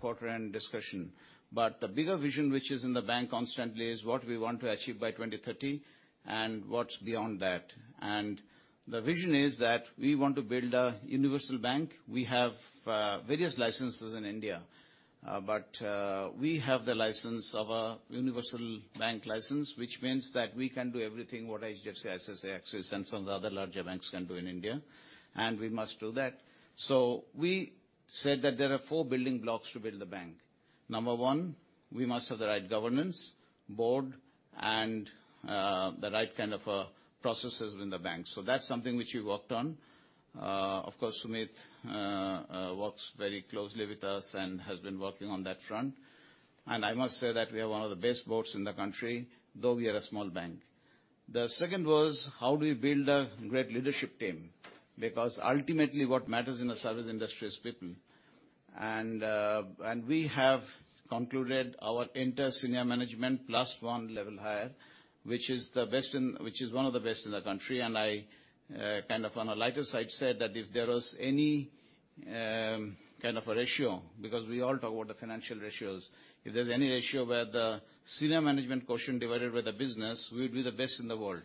quarter-end discussion. But the bigger vision which is in the bank constantly is what we want to achieve by 2030 and what's beyond that. The vision is that we want to build a universal bank. We have various licenses in India. We have the license of a universal bank license, which means that we can do everything what HDFC, ICICI, Axis, and some of the other larger banks can do in India. We must do that. We said that there are 4 building blocks to build the bank. Number 1, we must have the right governance board and the right kind of processes within the bank. That's something which we worked on. Of course, Sumit works very closely with us and has been working on that front. I must say that we are one of the best boards in the country, though we are a small bank. The second was, how do we build a great leadership team? Because ultimately, what matters in a service industry is people. And we have concluded our entire senior management plus one level higher, which is one of the best in the country. And I kind of, on a lighter side, said that if there was any kind of a ratio because we all talk about the financial ratios. If there's any ratio where the senior management quotient divided by the business, we would be the best in the world,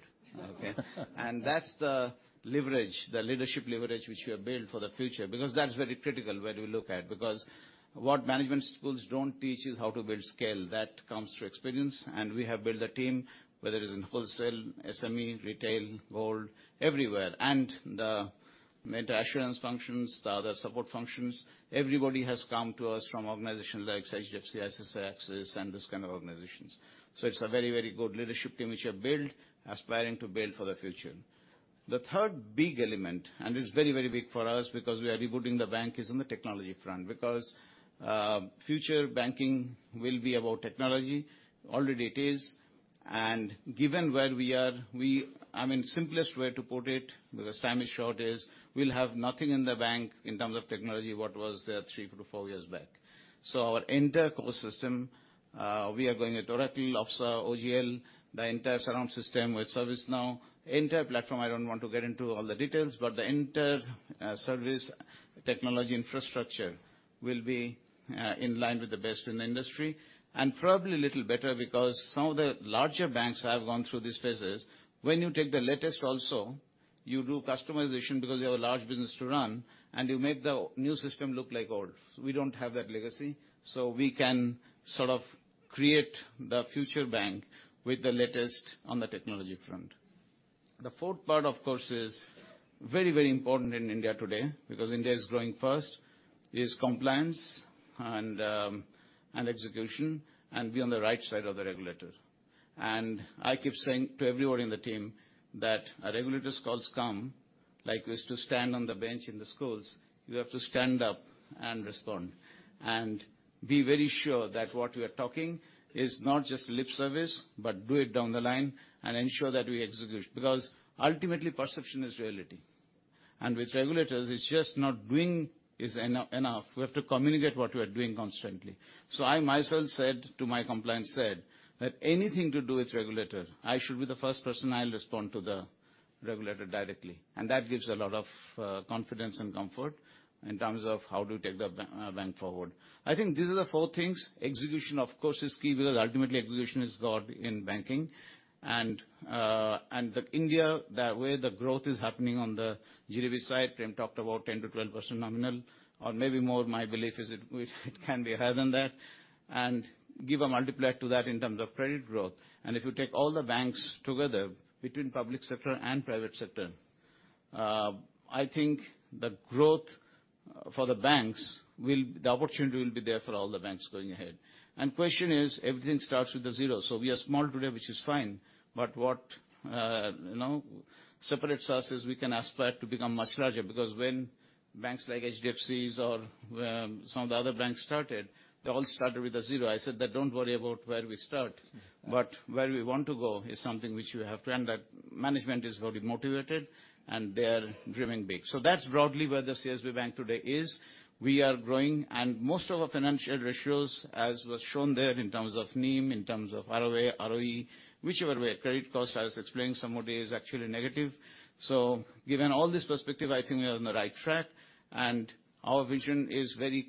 okay? And that's the leverage, the leadership leverage which we have built for the future because that's very critical where we look at. Because what management schools don't teach is how to build scale. That comes through experience. And we have built a team, whether it's in wholesale, SME, retail, gold, everywhere. And the internal assurance functions, the other support functions. Everybody has come to us from organizations like HDFC, ICICI, Axis, and this kind of organizations. So it's a very, very good leadership team which we have built, aspiring to build for the future. The third big element, and it's very, very big for us because we are rebooting the bank, is on the technology front because future banking will be about technology. Already, it is. And given where we are I mean, simplest way to put it because time is short is we'll have nothing in the bank in terms of technology what was there 3-4 years back. So our entire ecosystem, we are going with Oracle, OFSAA, OGL, the entire surround system with ServiceNow, entire platform. I don't want to get into all the details. But the entire service technology infrastructure will be in line with the best in the industry and probably a little better because some of the larger banks have gone through these phases. When you take the latest also, you do customization because you have a large business to run. You make the new system look like old. We don't have that legacy. So we can sort of create the future bank with the latest on the technology front. The fourth part, of course, is very, very important in India today because India is growing. First is compliance and execution and being on the right side of the regulator. I keep saying to everyone in the team that regulator's calls come like we used to stand on the bench in the schools. You have to stand up and respond and be very sure that what we are talking is not just lip service but do it down the line and ensure that we execute because ultimately, perception is reality. With regulators, it's just not doing is enough. We have to communicate what we are doing constantly. So I myself said to my compliance said that anything to do with regulator, I should be the first person I'll respond to the regulator directly. And that gives a lot of confidence and comfort in terms of how do we take the bank forward. I think these are the four things. Execution, of course, is key because ultimately, execution is God in banking. And India, where the growth is happening on the GDP side, Prem talked about 10%-12% nominal or maybe more. My belief is it can be higher than that and give a multiplier to that in terms of credit growth. And if you take all the banks together between public sector and private sector, I think the growth for the banks will the opportunity will be there for all the banks going ahead. The question is, everything starts with a zero. We are small today, which is fine. But what separates us is we can aspire to become much larger because when banks like HDFC or some of the other banks started, they all started with a zero. I said that, "Don't worry about where we start. But where we want to go is something which you have to." That management is very motivated. And they are dreaming big. That's broadly where the CSB Bank today is. We are growing. And most of our financial ratios, as was shown there in terms of NIM, in terms of ROA, ROE, whichever way, credit cost, I was explaining some of the is actually negative. Given all this perspective, I think we are on the right track. Our vision is very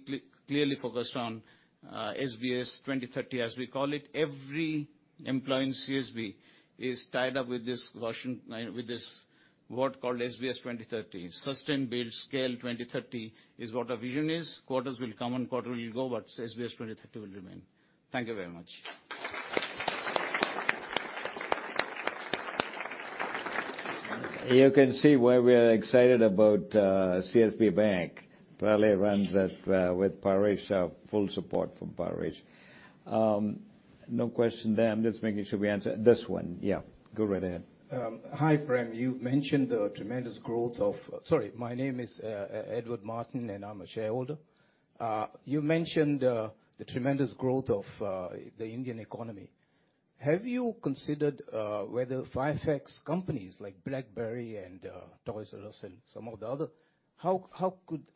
clearly focused on CSB 2030, as we call it. Every employee in CSB is tied up with this quotient with this word called SBS 2030. Sustain, build, scale 2030 is what our vision is. Quarters will come and quarter will go. But SBS 2030 will remain. Thank you very much. You can see why we are excited about CSB Bank. Pralay runs it with Paresh, full support from Paresh. No question there. I'm just making sure we answer this one. Yeah. Go right ahead. Hi, Prem. Sorry. My name is Edward Martin. I'm a shareholder. You mentioned the tremendous growth of the Indian economy. Have you considered whether Fairfax companies like BlackBerry and [Toyota Lucent], some of the other, how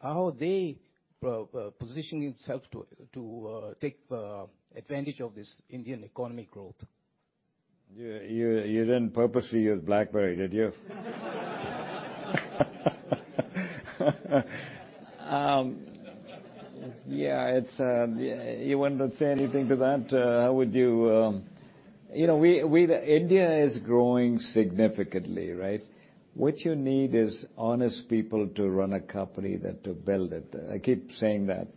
are they positioning themselves to take advantage of this Indian economy growth? You didn't purposely use BlackBerry, did you? Yeah. You wouldn't say anything to that. How would you? India is growing significantly, right? What you need is honest people to run a company that to build it. I keep saying that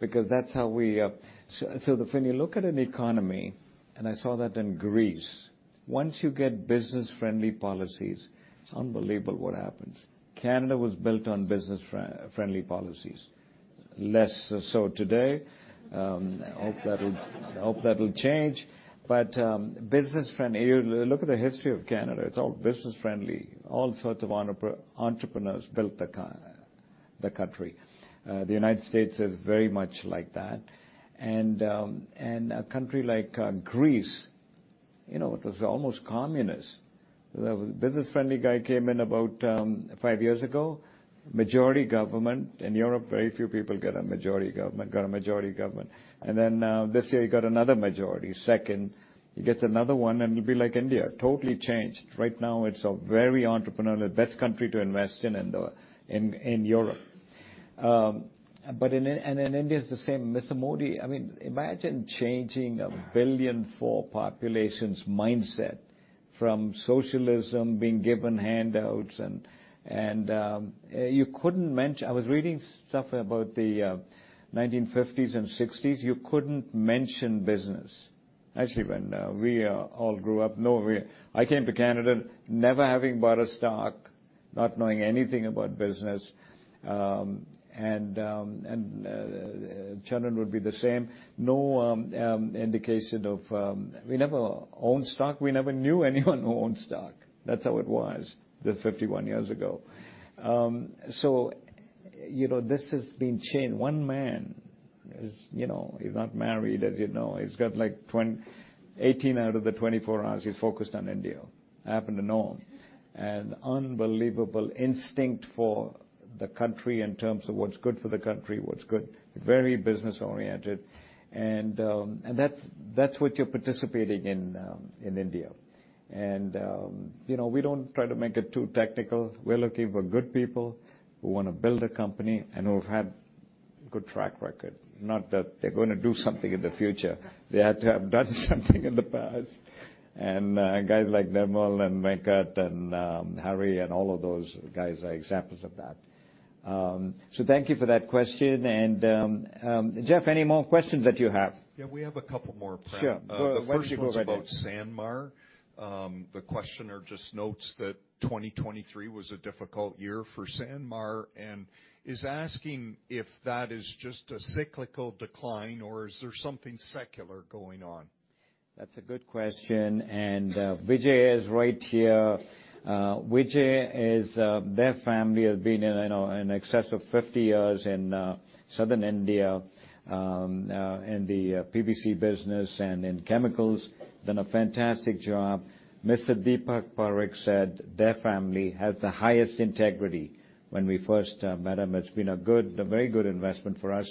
because that's how we so when you look at an economy and I saw that in Greece, once you get business-friendly policies, it's unbelievable what happens. Canada was built on business-friendly policies, less so today. Hope that'll change. But look at the history of Canada. It's all business-friendly. All sorts of entrepreneurs built the country. The United States is very much like that. And a country like Greece, it was almost communist. The business-friendly guy came in about 5 years ago. Majority government in Europe, very few people get a majority government, got a majority government. And then this year, he got another majority, second. He gets another one. It'll be like India, totally changed. Right now, it's a very entrepreneurial, best country to invest in Europe. And in India, it's the same. Mr. Modi, I mean, imagine changing 1.4 billion population's mindset from socialism being given handouts. And you couldn't mention business. I was reading stuff about the 1950s and 1960s. You couldn't mention business. Actually, when we all grew up no, I came to Canada, never having bought a stock, not knowing anything about business. And Chandran would be the same. No indication of we never owned stock. We never knew anyone who owned stock. That's how it was 51 years ago. This has been changed. One man is not married, as you know. He's got like 18 out of the 24 hours. He's focused on India. Happened to know him. Unbelievable instinct for the country in terms of what's good for the country, what's good, very business-oriented. That's what you're participating in in India. We don't try to make it too technical. We're looking for good people who want to build a company and who have had a good track record, not that they're going to do something in the future. They had to have done something in the past. Guys like Nirmal and Venkat and Hari and all of those guys are examples of that. So thank you for that question. Jeff, any more questions that you have? Yeah. We have a couple more, Prem. The first one was about Sanmar. The questioner just notes that 2023 was a difficult year for Sanmar and is asking if that is just a cyclical decline or is there something secular going on. That's a good question. Vijay is right here. Vijay, their family has been in excess of 50 years in southern India in the PVC business and in chemicals, done a fantastic job. Mr. Deepak Parekh said their family has the highest integrity when we first met him. It's been a very good investment for us.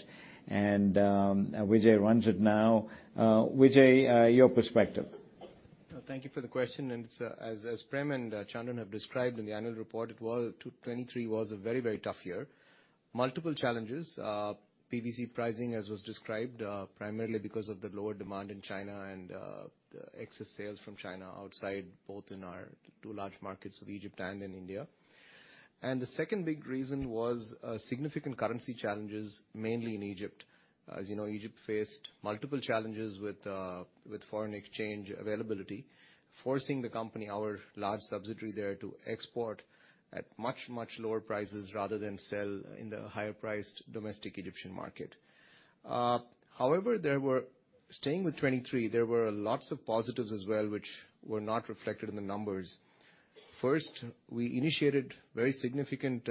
Vijay runs it now. Vijay, your perspective. Thank you for the question. As Prem and Chandran have described in the annual report, 2023 was a very, very tough year, multiple challenges, PVC pricing, as was described, primarily because of the lower demand in China and the excess sales from China outside both in our two large markets of Egypt and in India. The second big reason was significant currency challenges, mainly in Egypt. As you know, Egypt faced multiple challenges with foreign exchange availability, forcing the company, our large subsidiary there, to export at much, much lower prices rather than sell in the higher-priced domestic Egyptian market. However, staying with 2023, there were lots of positives as well, which were not reflected in the numbers. First, we initiated very significant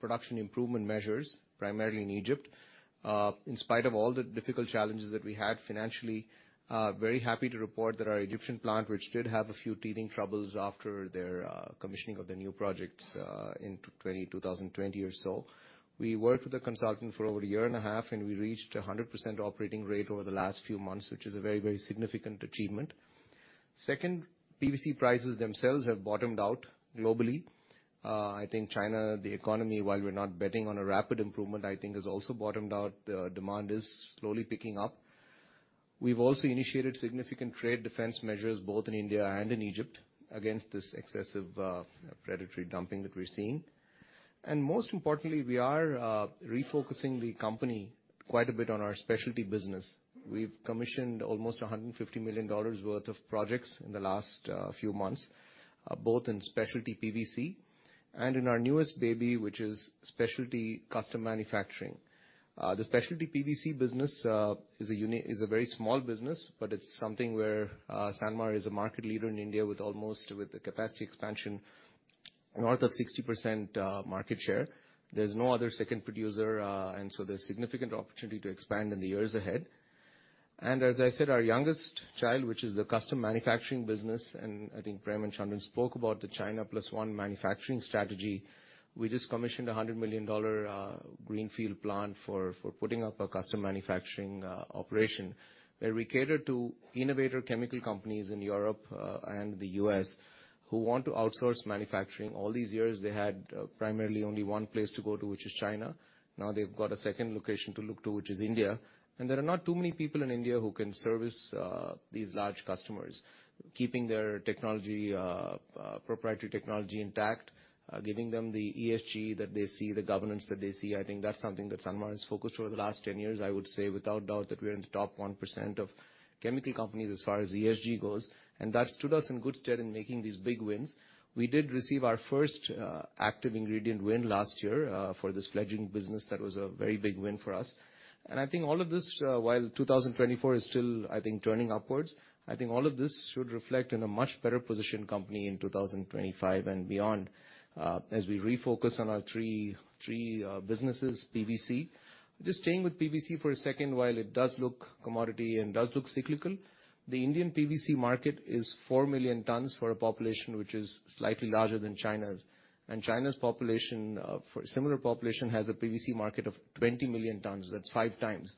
production improvement measures, primarily in Egypt. In spite of all the difficult challenges that we had financially, very happy to report that our Egyptian plant, which did have a few teething troubles after their commissioning of the new project in 2020 or so, we worked with a consultant for over a year and a half. We reached 100% operating rate over the last few months, which is a very, very significant achievement. Second, PVC prices themselves have bottomed out globally. I think China, the economy, while we're not betting on a rapid improvement, I think has also bottomed out. The demand is slowly picking up. We've also initiated significant trade defense measures both in India and in Egypt against this excessive predatory dumping that we're seeing. And most importantly, we are refocusing the company quite a bit on our specialty business. We've commissioned almost $150 million worth of projects in the last few months, both in specialty PVC and in our newest baby, which is specialty custom manufacturing. The specialty PVC business is a very small business. But it's something where Sanmar is a market leader in India with the capacity expansion north of 60% market share. There's no other second producer. And so there's significant opportunity to expand in the years ahead. And as I said, our youngest child, which is the custom manufacturing business and I think Prem and Chandran spoke about the China Plus One manufacturing strategy, we just commissioned a $100 million greenfield plant for putting up a custom manufacturing operation where we cater to innovator chemical companies in Europe and the US who want to outsource manufacturing. All these years, they had primarily only one place to go to, which is China. Now, they've got a second location to look to, which is India. And there are not too many people in India who can service these large customers, keeping their proprietary technology intact, giving them the ESG that they see, the governance that they see. I think that's something that Sanmar is focused on over the last 10 years, I would say, without doubt, that we are in the top 1% of chemical companies as far as ESG goes. And that stood us in good stead in making these big wins. We did receive our first active ingredient win last year for this fledgling business. That was a very big win for us. I think all of this, while 2024 is still, I think, turning upwards. I think all of this should reflect in a much better position company in 2025 and beyond as we refocus on our three businesses, PVC. Just staying with PVC for a second, while it does look commodity and does look cyclical, the Indian PVC market is 4 million tons for a population which is slightly larger than China's. And China's similar population has a PVC market of 20 million tons. That's 5 times.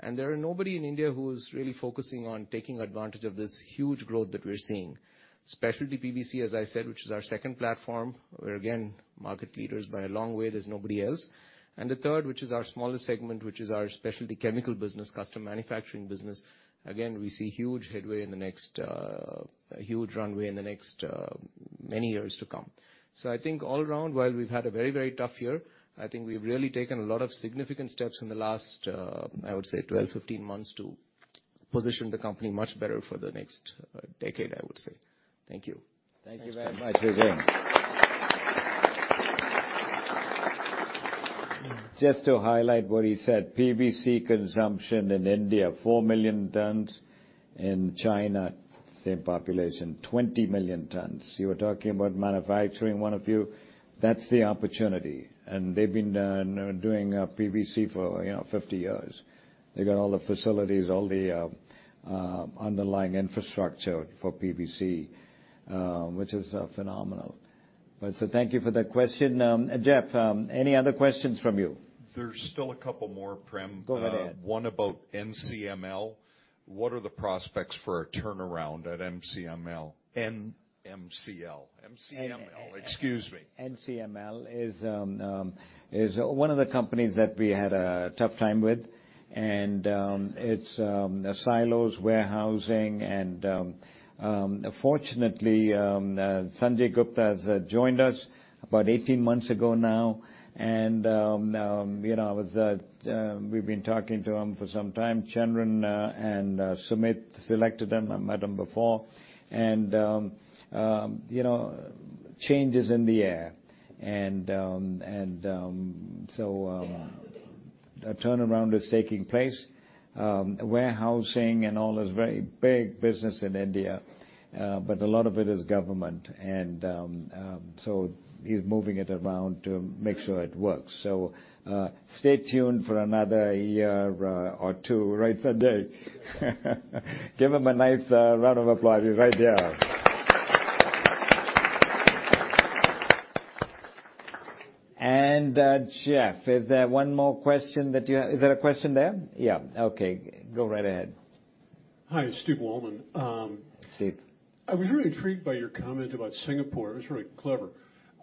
And there is nobody in India who is really focusing on taking advantage of this huge growth that we're seeing, specialty PVC, as I said, which is our second platform. We're, again, market leaders by a long way. There's nobody else. The third, which is our smallest segment, which is our specialty chemical business, custom manufacturing business, again, we see huge headway in the next huge runway in the next many years to come. So I think all around, while we've had a very, very tough year, I think we've really taken a lot of significant steps in the last, I would say, 12, 15 months to position the company much better for the next decade, I would say. Thank you. Thank you very much, Vijay. Just to highlight what he said, PVC consumption in India, 4 million tons. In China, same population, 20 million tons. You were talking about manufacturing, one of you. That's the opportunity. And they've been doing PVC for 50 years. They got all the facilities, all the underlying infrastructure for PVC, which is phenomenal. So thank you for that question. Jeff, any other questions from you? There's still a couple more, Prem. Go ahead. One about NCML. What are the prospects for a turnaround at NCML? Excuse me. NCML is one of the companies that we had a tough time with. It's silos, warehousing. Fortunately, Sanjay Gupta has joined us about 18 months ago now. We've been talking to him for some time. Chandran and Sumit selected him. I met him before. Change is in the air. So a turnaround is taking place. Warehousing and all is very big business in India. But a lot of it is government. He's moving it around to make sure it works. Stay tuned for another year or two, right, Sanjay? Give him a nice round of applause. He's right there. Jeff, is there one more question that you have? Is there a question there? Yeah. Okay. Go right ahead. Hi. It's Stu Waldman. Steve. I was really intrigued by your comment about Singapore. It was really clever.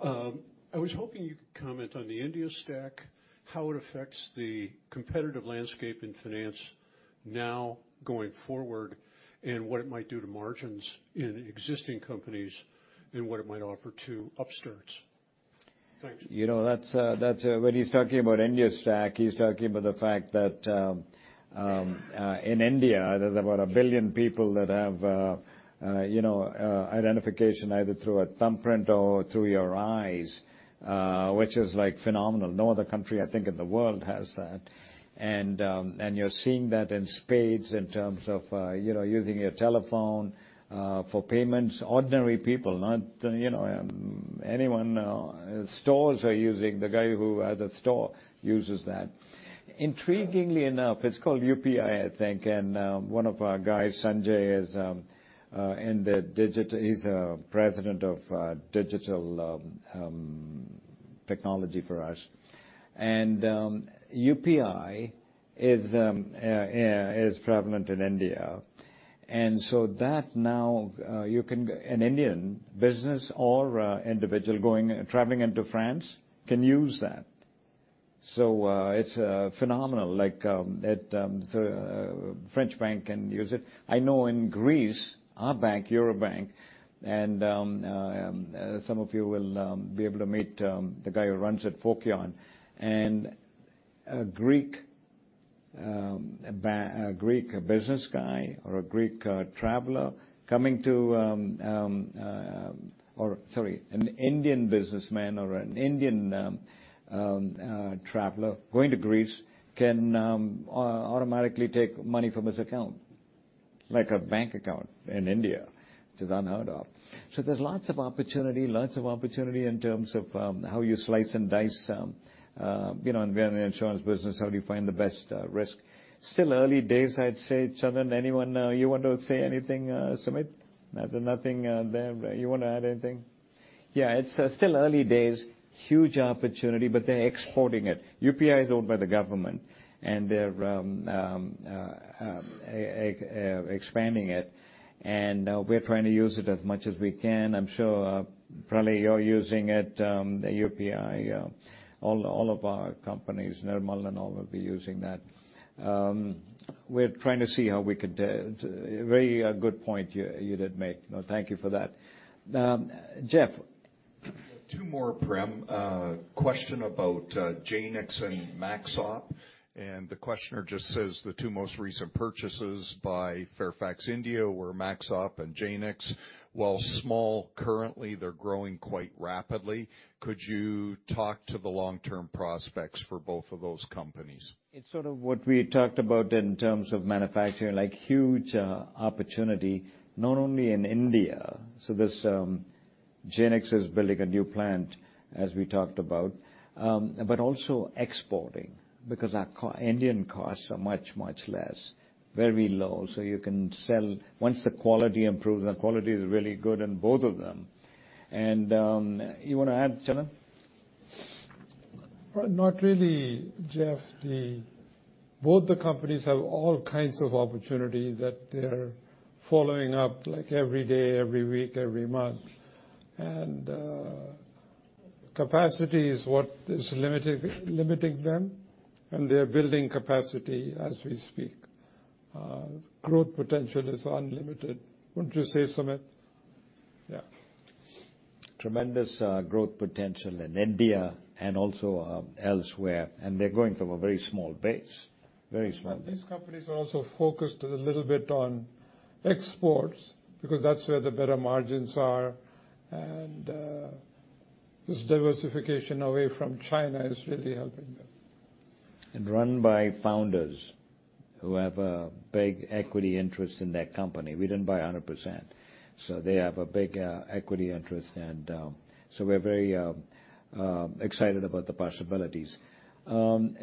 I was hoping you could comment on the India Stack, how it affects the competitive landscape in finance now going forward, and what it might do to margins in existing companies and what it might offer to upstarts. Thanks. That's when he's talking about India Stack, he's talking about the fact that in India, there's about 1 billion people that have identification either through a thumbprint or through your eyes, which is phenomenal. No other country, I think, in the world has that. And you're seeing that in spades in terms of using your telephone for payments, ordinary people, not anyone stores are using. The guy who has a store uses that. Intriguingly enough, it's called UPI, I think. And one of our guys, Sanjay, is in the digital he's president of digital technology for us. And UPI is prevalent in India. And so that now, an Indian business or individual traveling into France can use that. So it's phenomenal. The French bank can use it. I know in Greece, our bank, Eurobank, and some of you will be able to meet the guy who runs it, Fokion, and a Greek business guy or a Greek traveler coming to or, sorry, an Indian businessman or an Indian traveler going to Greece can automatically take money from his account, like a bank account in India, which is unheard of. So there's lots of opportunity, lots of opportunity in terms of how you slice and dice and be in the insurance business, how do you find the best risk. Still early days, I'd say. Chandran, anyone you want to say anything, Sumit? Nothing there? You want to add anything? Yeah. It's still early days, huge opportunity. But they're exporting it. UPI is owned by the government. And they're expanding it. And we're trying to use it as much as we can. I'm sure, Pralay, you're using it, UPI, all of our companies, Nirmal and all will be using that. We're trying to see how we could. Very good point you did make. Thank you for that, Jeff. Two more, Prem. Question about Jaynix and Maxop. The questioner just says the two most recent purchases by Fairfax India were Maxop and Jaynix. While small currently, they're growing quite rapidly. Could you talk to the long-term prospects for both of those companies? It's sort of what we talked about in terms of manufacturing, huge opportunity, not only in India so Jaynix is building a new plant, as we talked about, but also exporting because our Indian costs are much, much less, very low. So you can sell once the quality improves, the quality is really good in both of them. And you want to add, Chandran? Not really, Jeff. Both the companies have all kinds of opportunity that they're following up every day, every week, every month. Capacity is what is limiting them. They're building capacity as we speak. Growth potential is unlimited. Wouldn't you say, Sumit? Yeah. Tremendous growth potential in India and also elsewhere. They're going from a very small base, very small base. These companies are also focused a little bit on exports because that's where the better margins are. And this diversification away from China is really helping them. And run by founders who have a big equity interest in their company. We didn't buy 100%. So they have a big equity interest. And so we're very excited about the possibilities.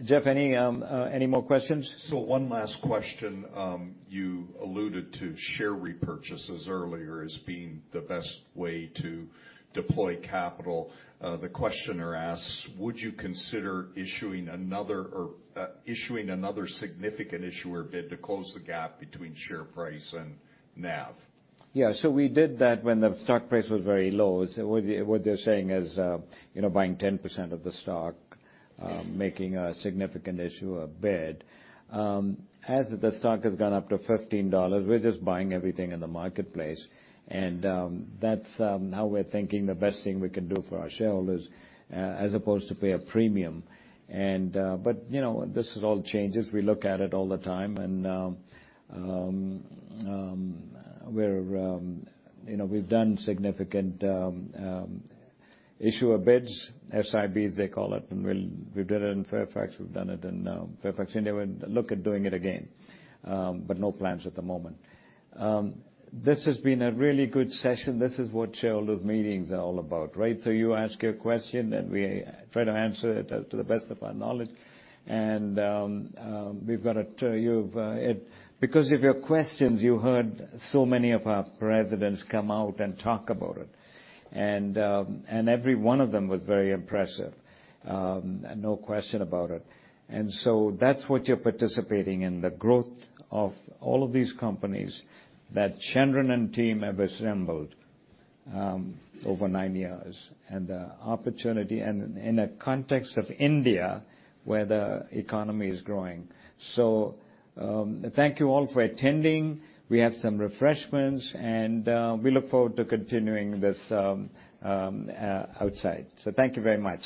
Jeff, any more questions? One last question. You alluded to share repurchases earlier as being the best way to deploy capital. The questioner asks, would you consider issuing another Significant Issuer Bid to close the gap between share price and NAV? Yeah. So we did that when the stock price was very low. What they're saying is buying 10% of the stock, making a significant issuer bid. As the stock has gone up to $15, we're just buying everything in the marketplace. And that's how we're thinking the best thing we can do for our shareholders as opposed to pay a premium. But this is all changes. We look at it all the time. And we've done significant issuer bids, SIBs, they call it. And we've done it in Fairfax. We've done it in Fairfax India. We're looking at doing it again. But no plans at the moment. This has been a really good session. This is what shareholders' meetings are all about, right? So you ask your question. And we try to answer it to the best of our knowledge. And we've got to, because of your questions, you heard so many of our presidents come out and talk about it. And every one of them was very impressive, no question about it. And so that's what you're participating in, the growth of all of these companies that Chandran and team have assembled over nine years and the opportunity in a context of India where the economy is growing. So thank you all for attending. We have some refreshments. And we look forward to continuing this outside. So thank you very much.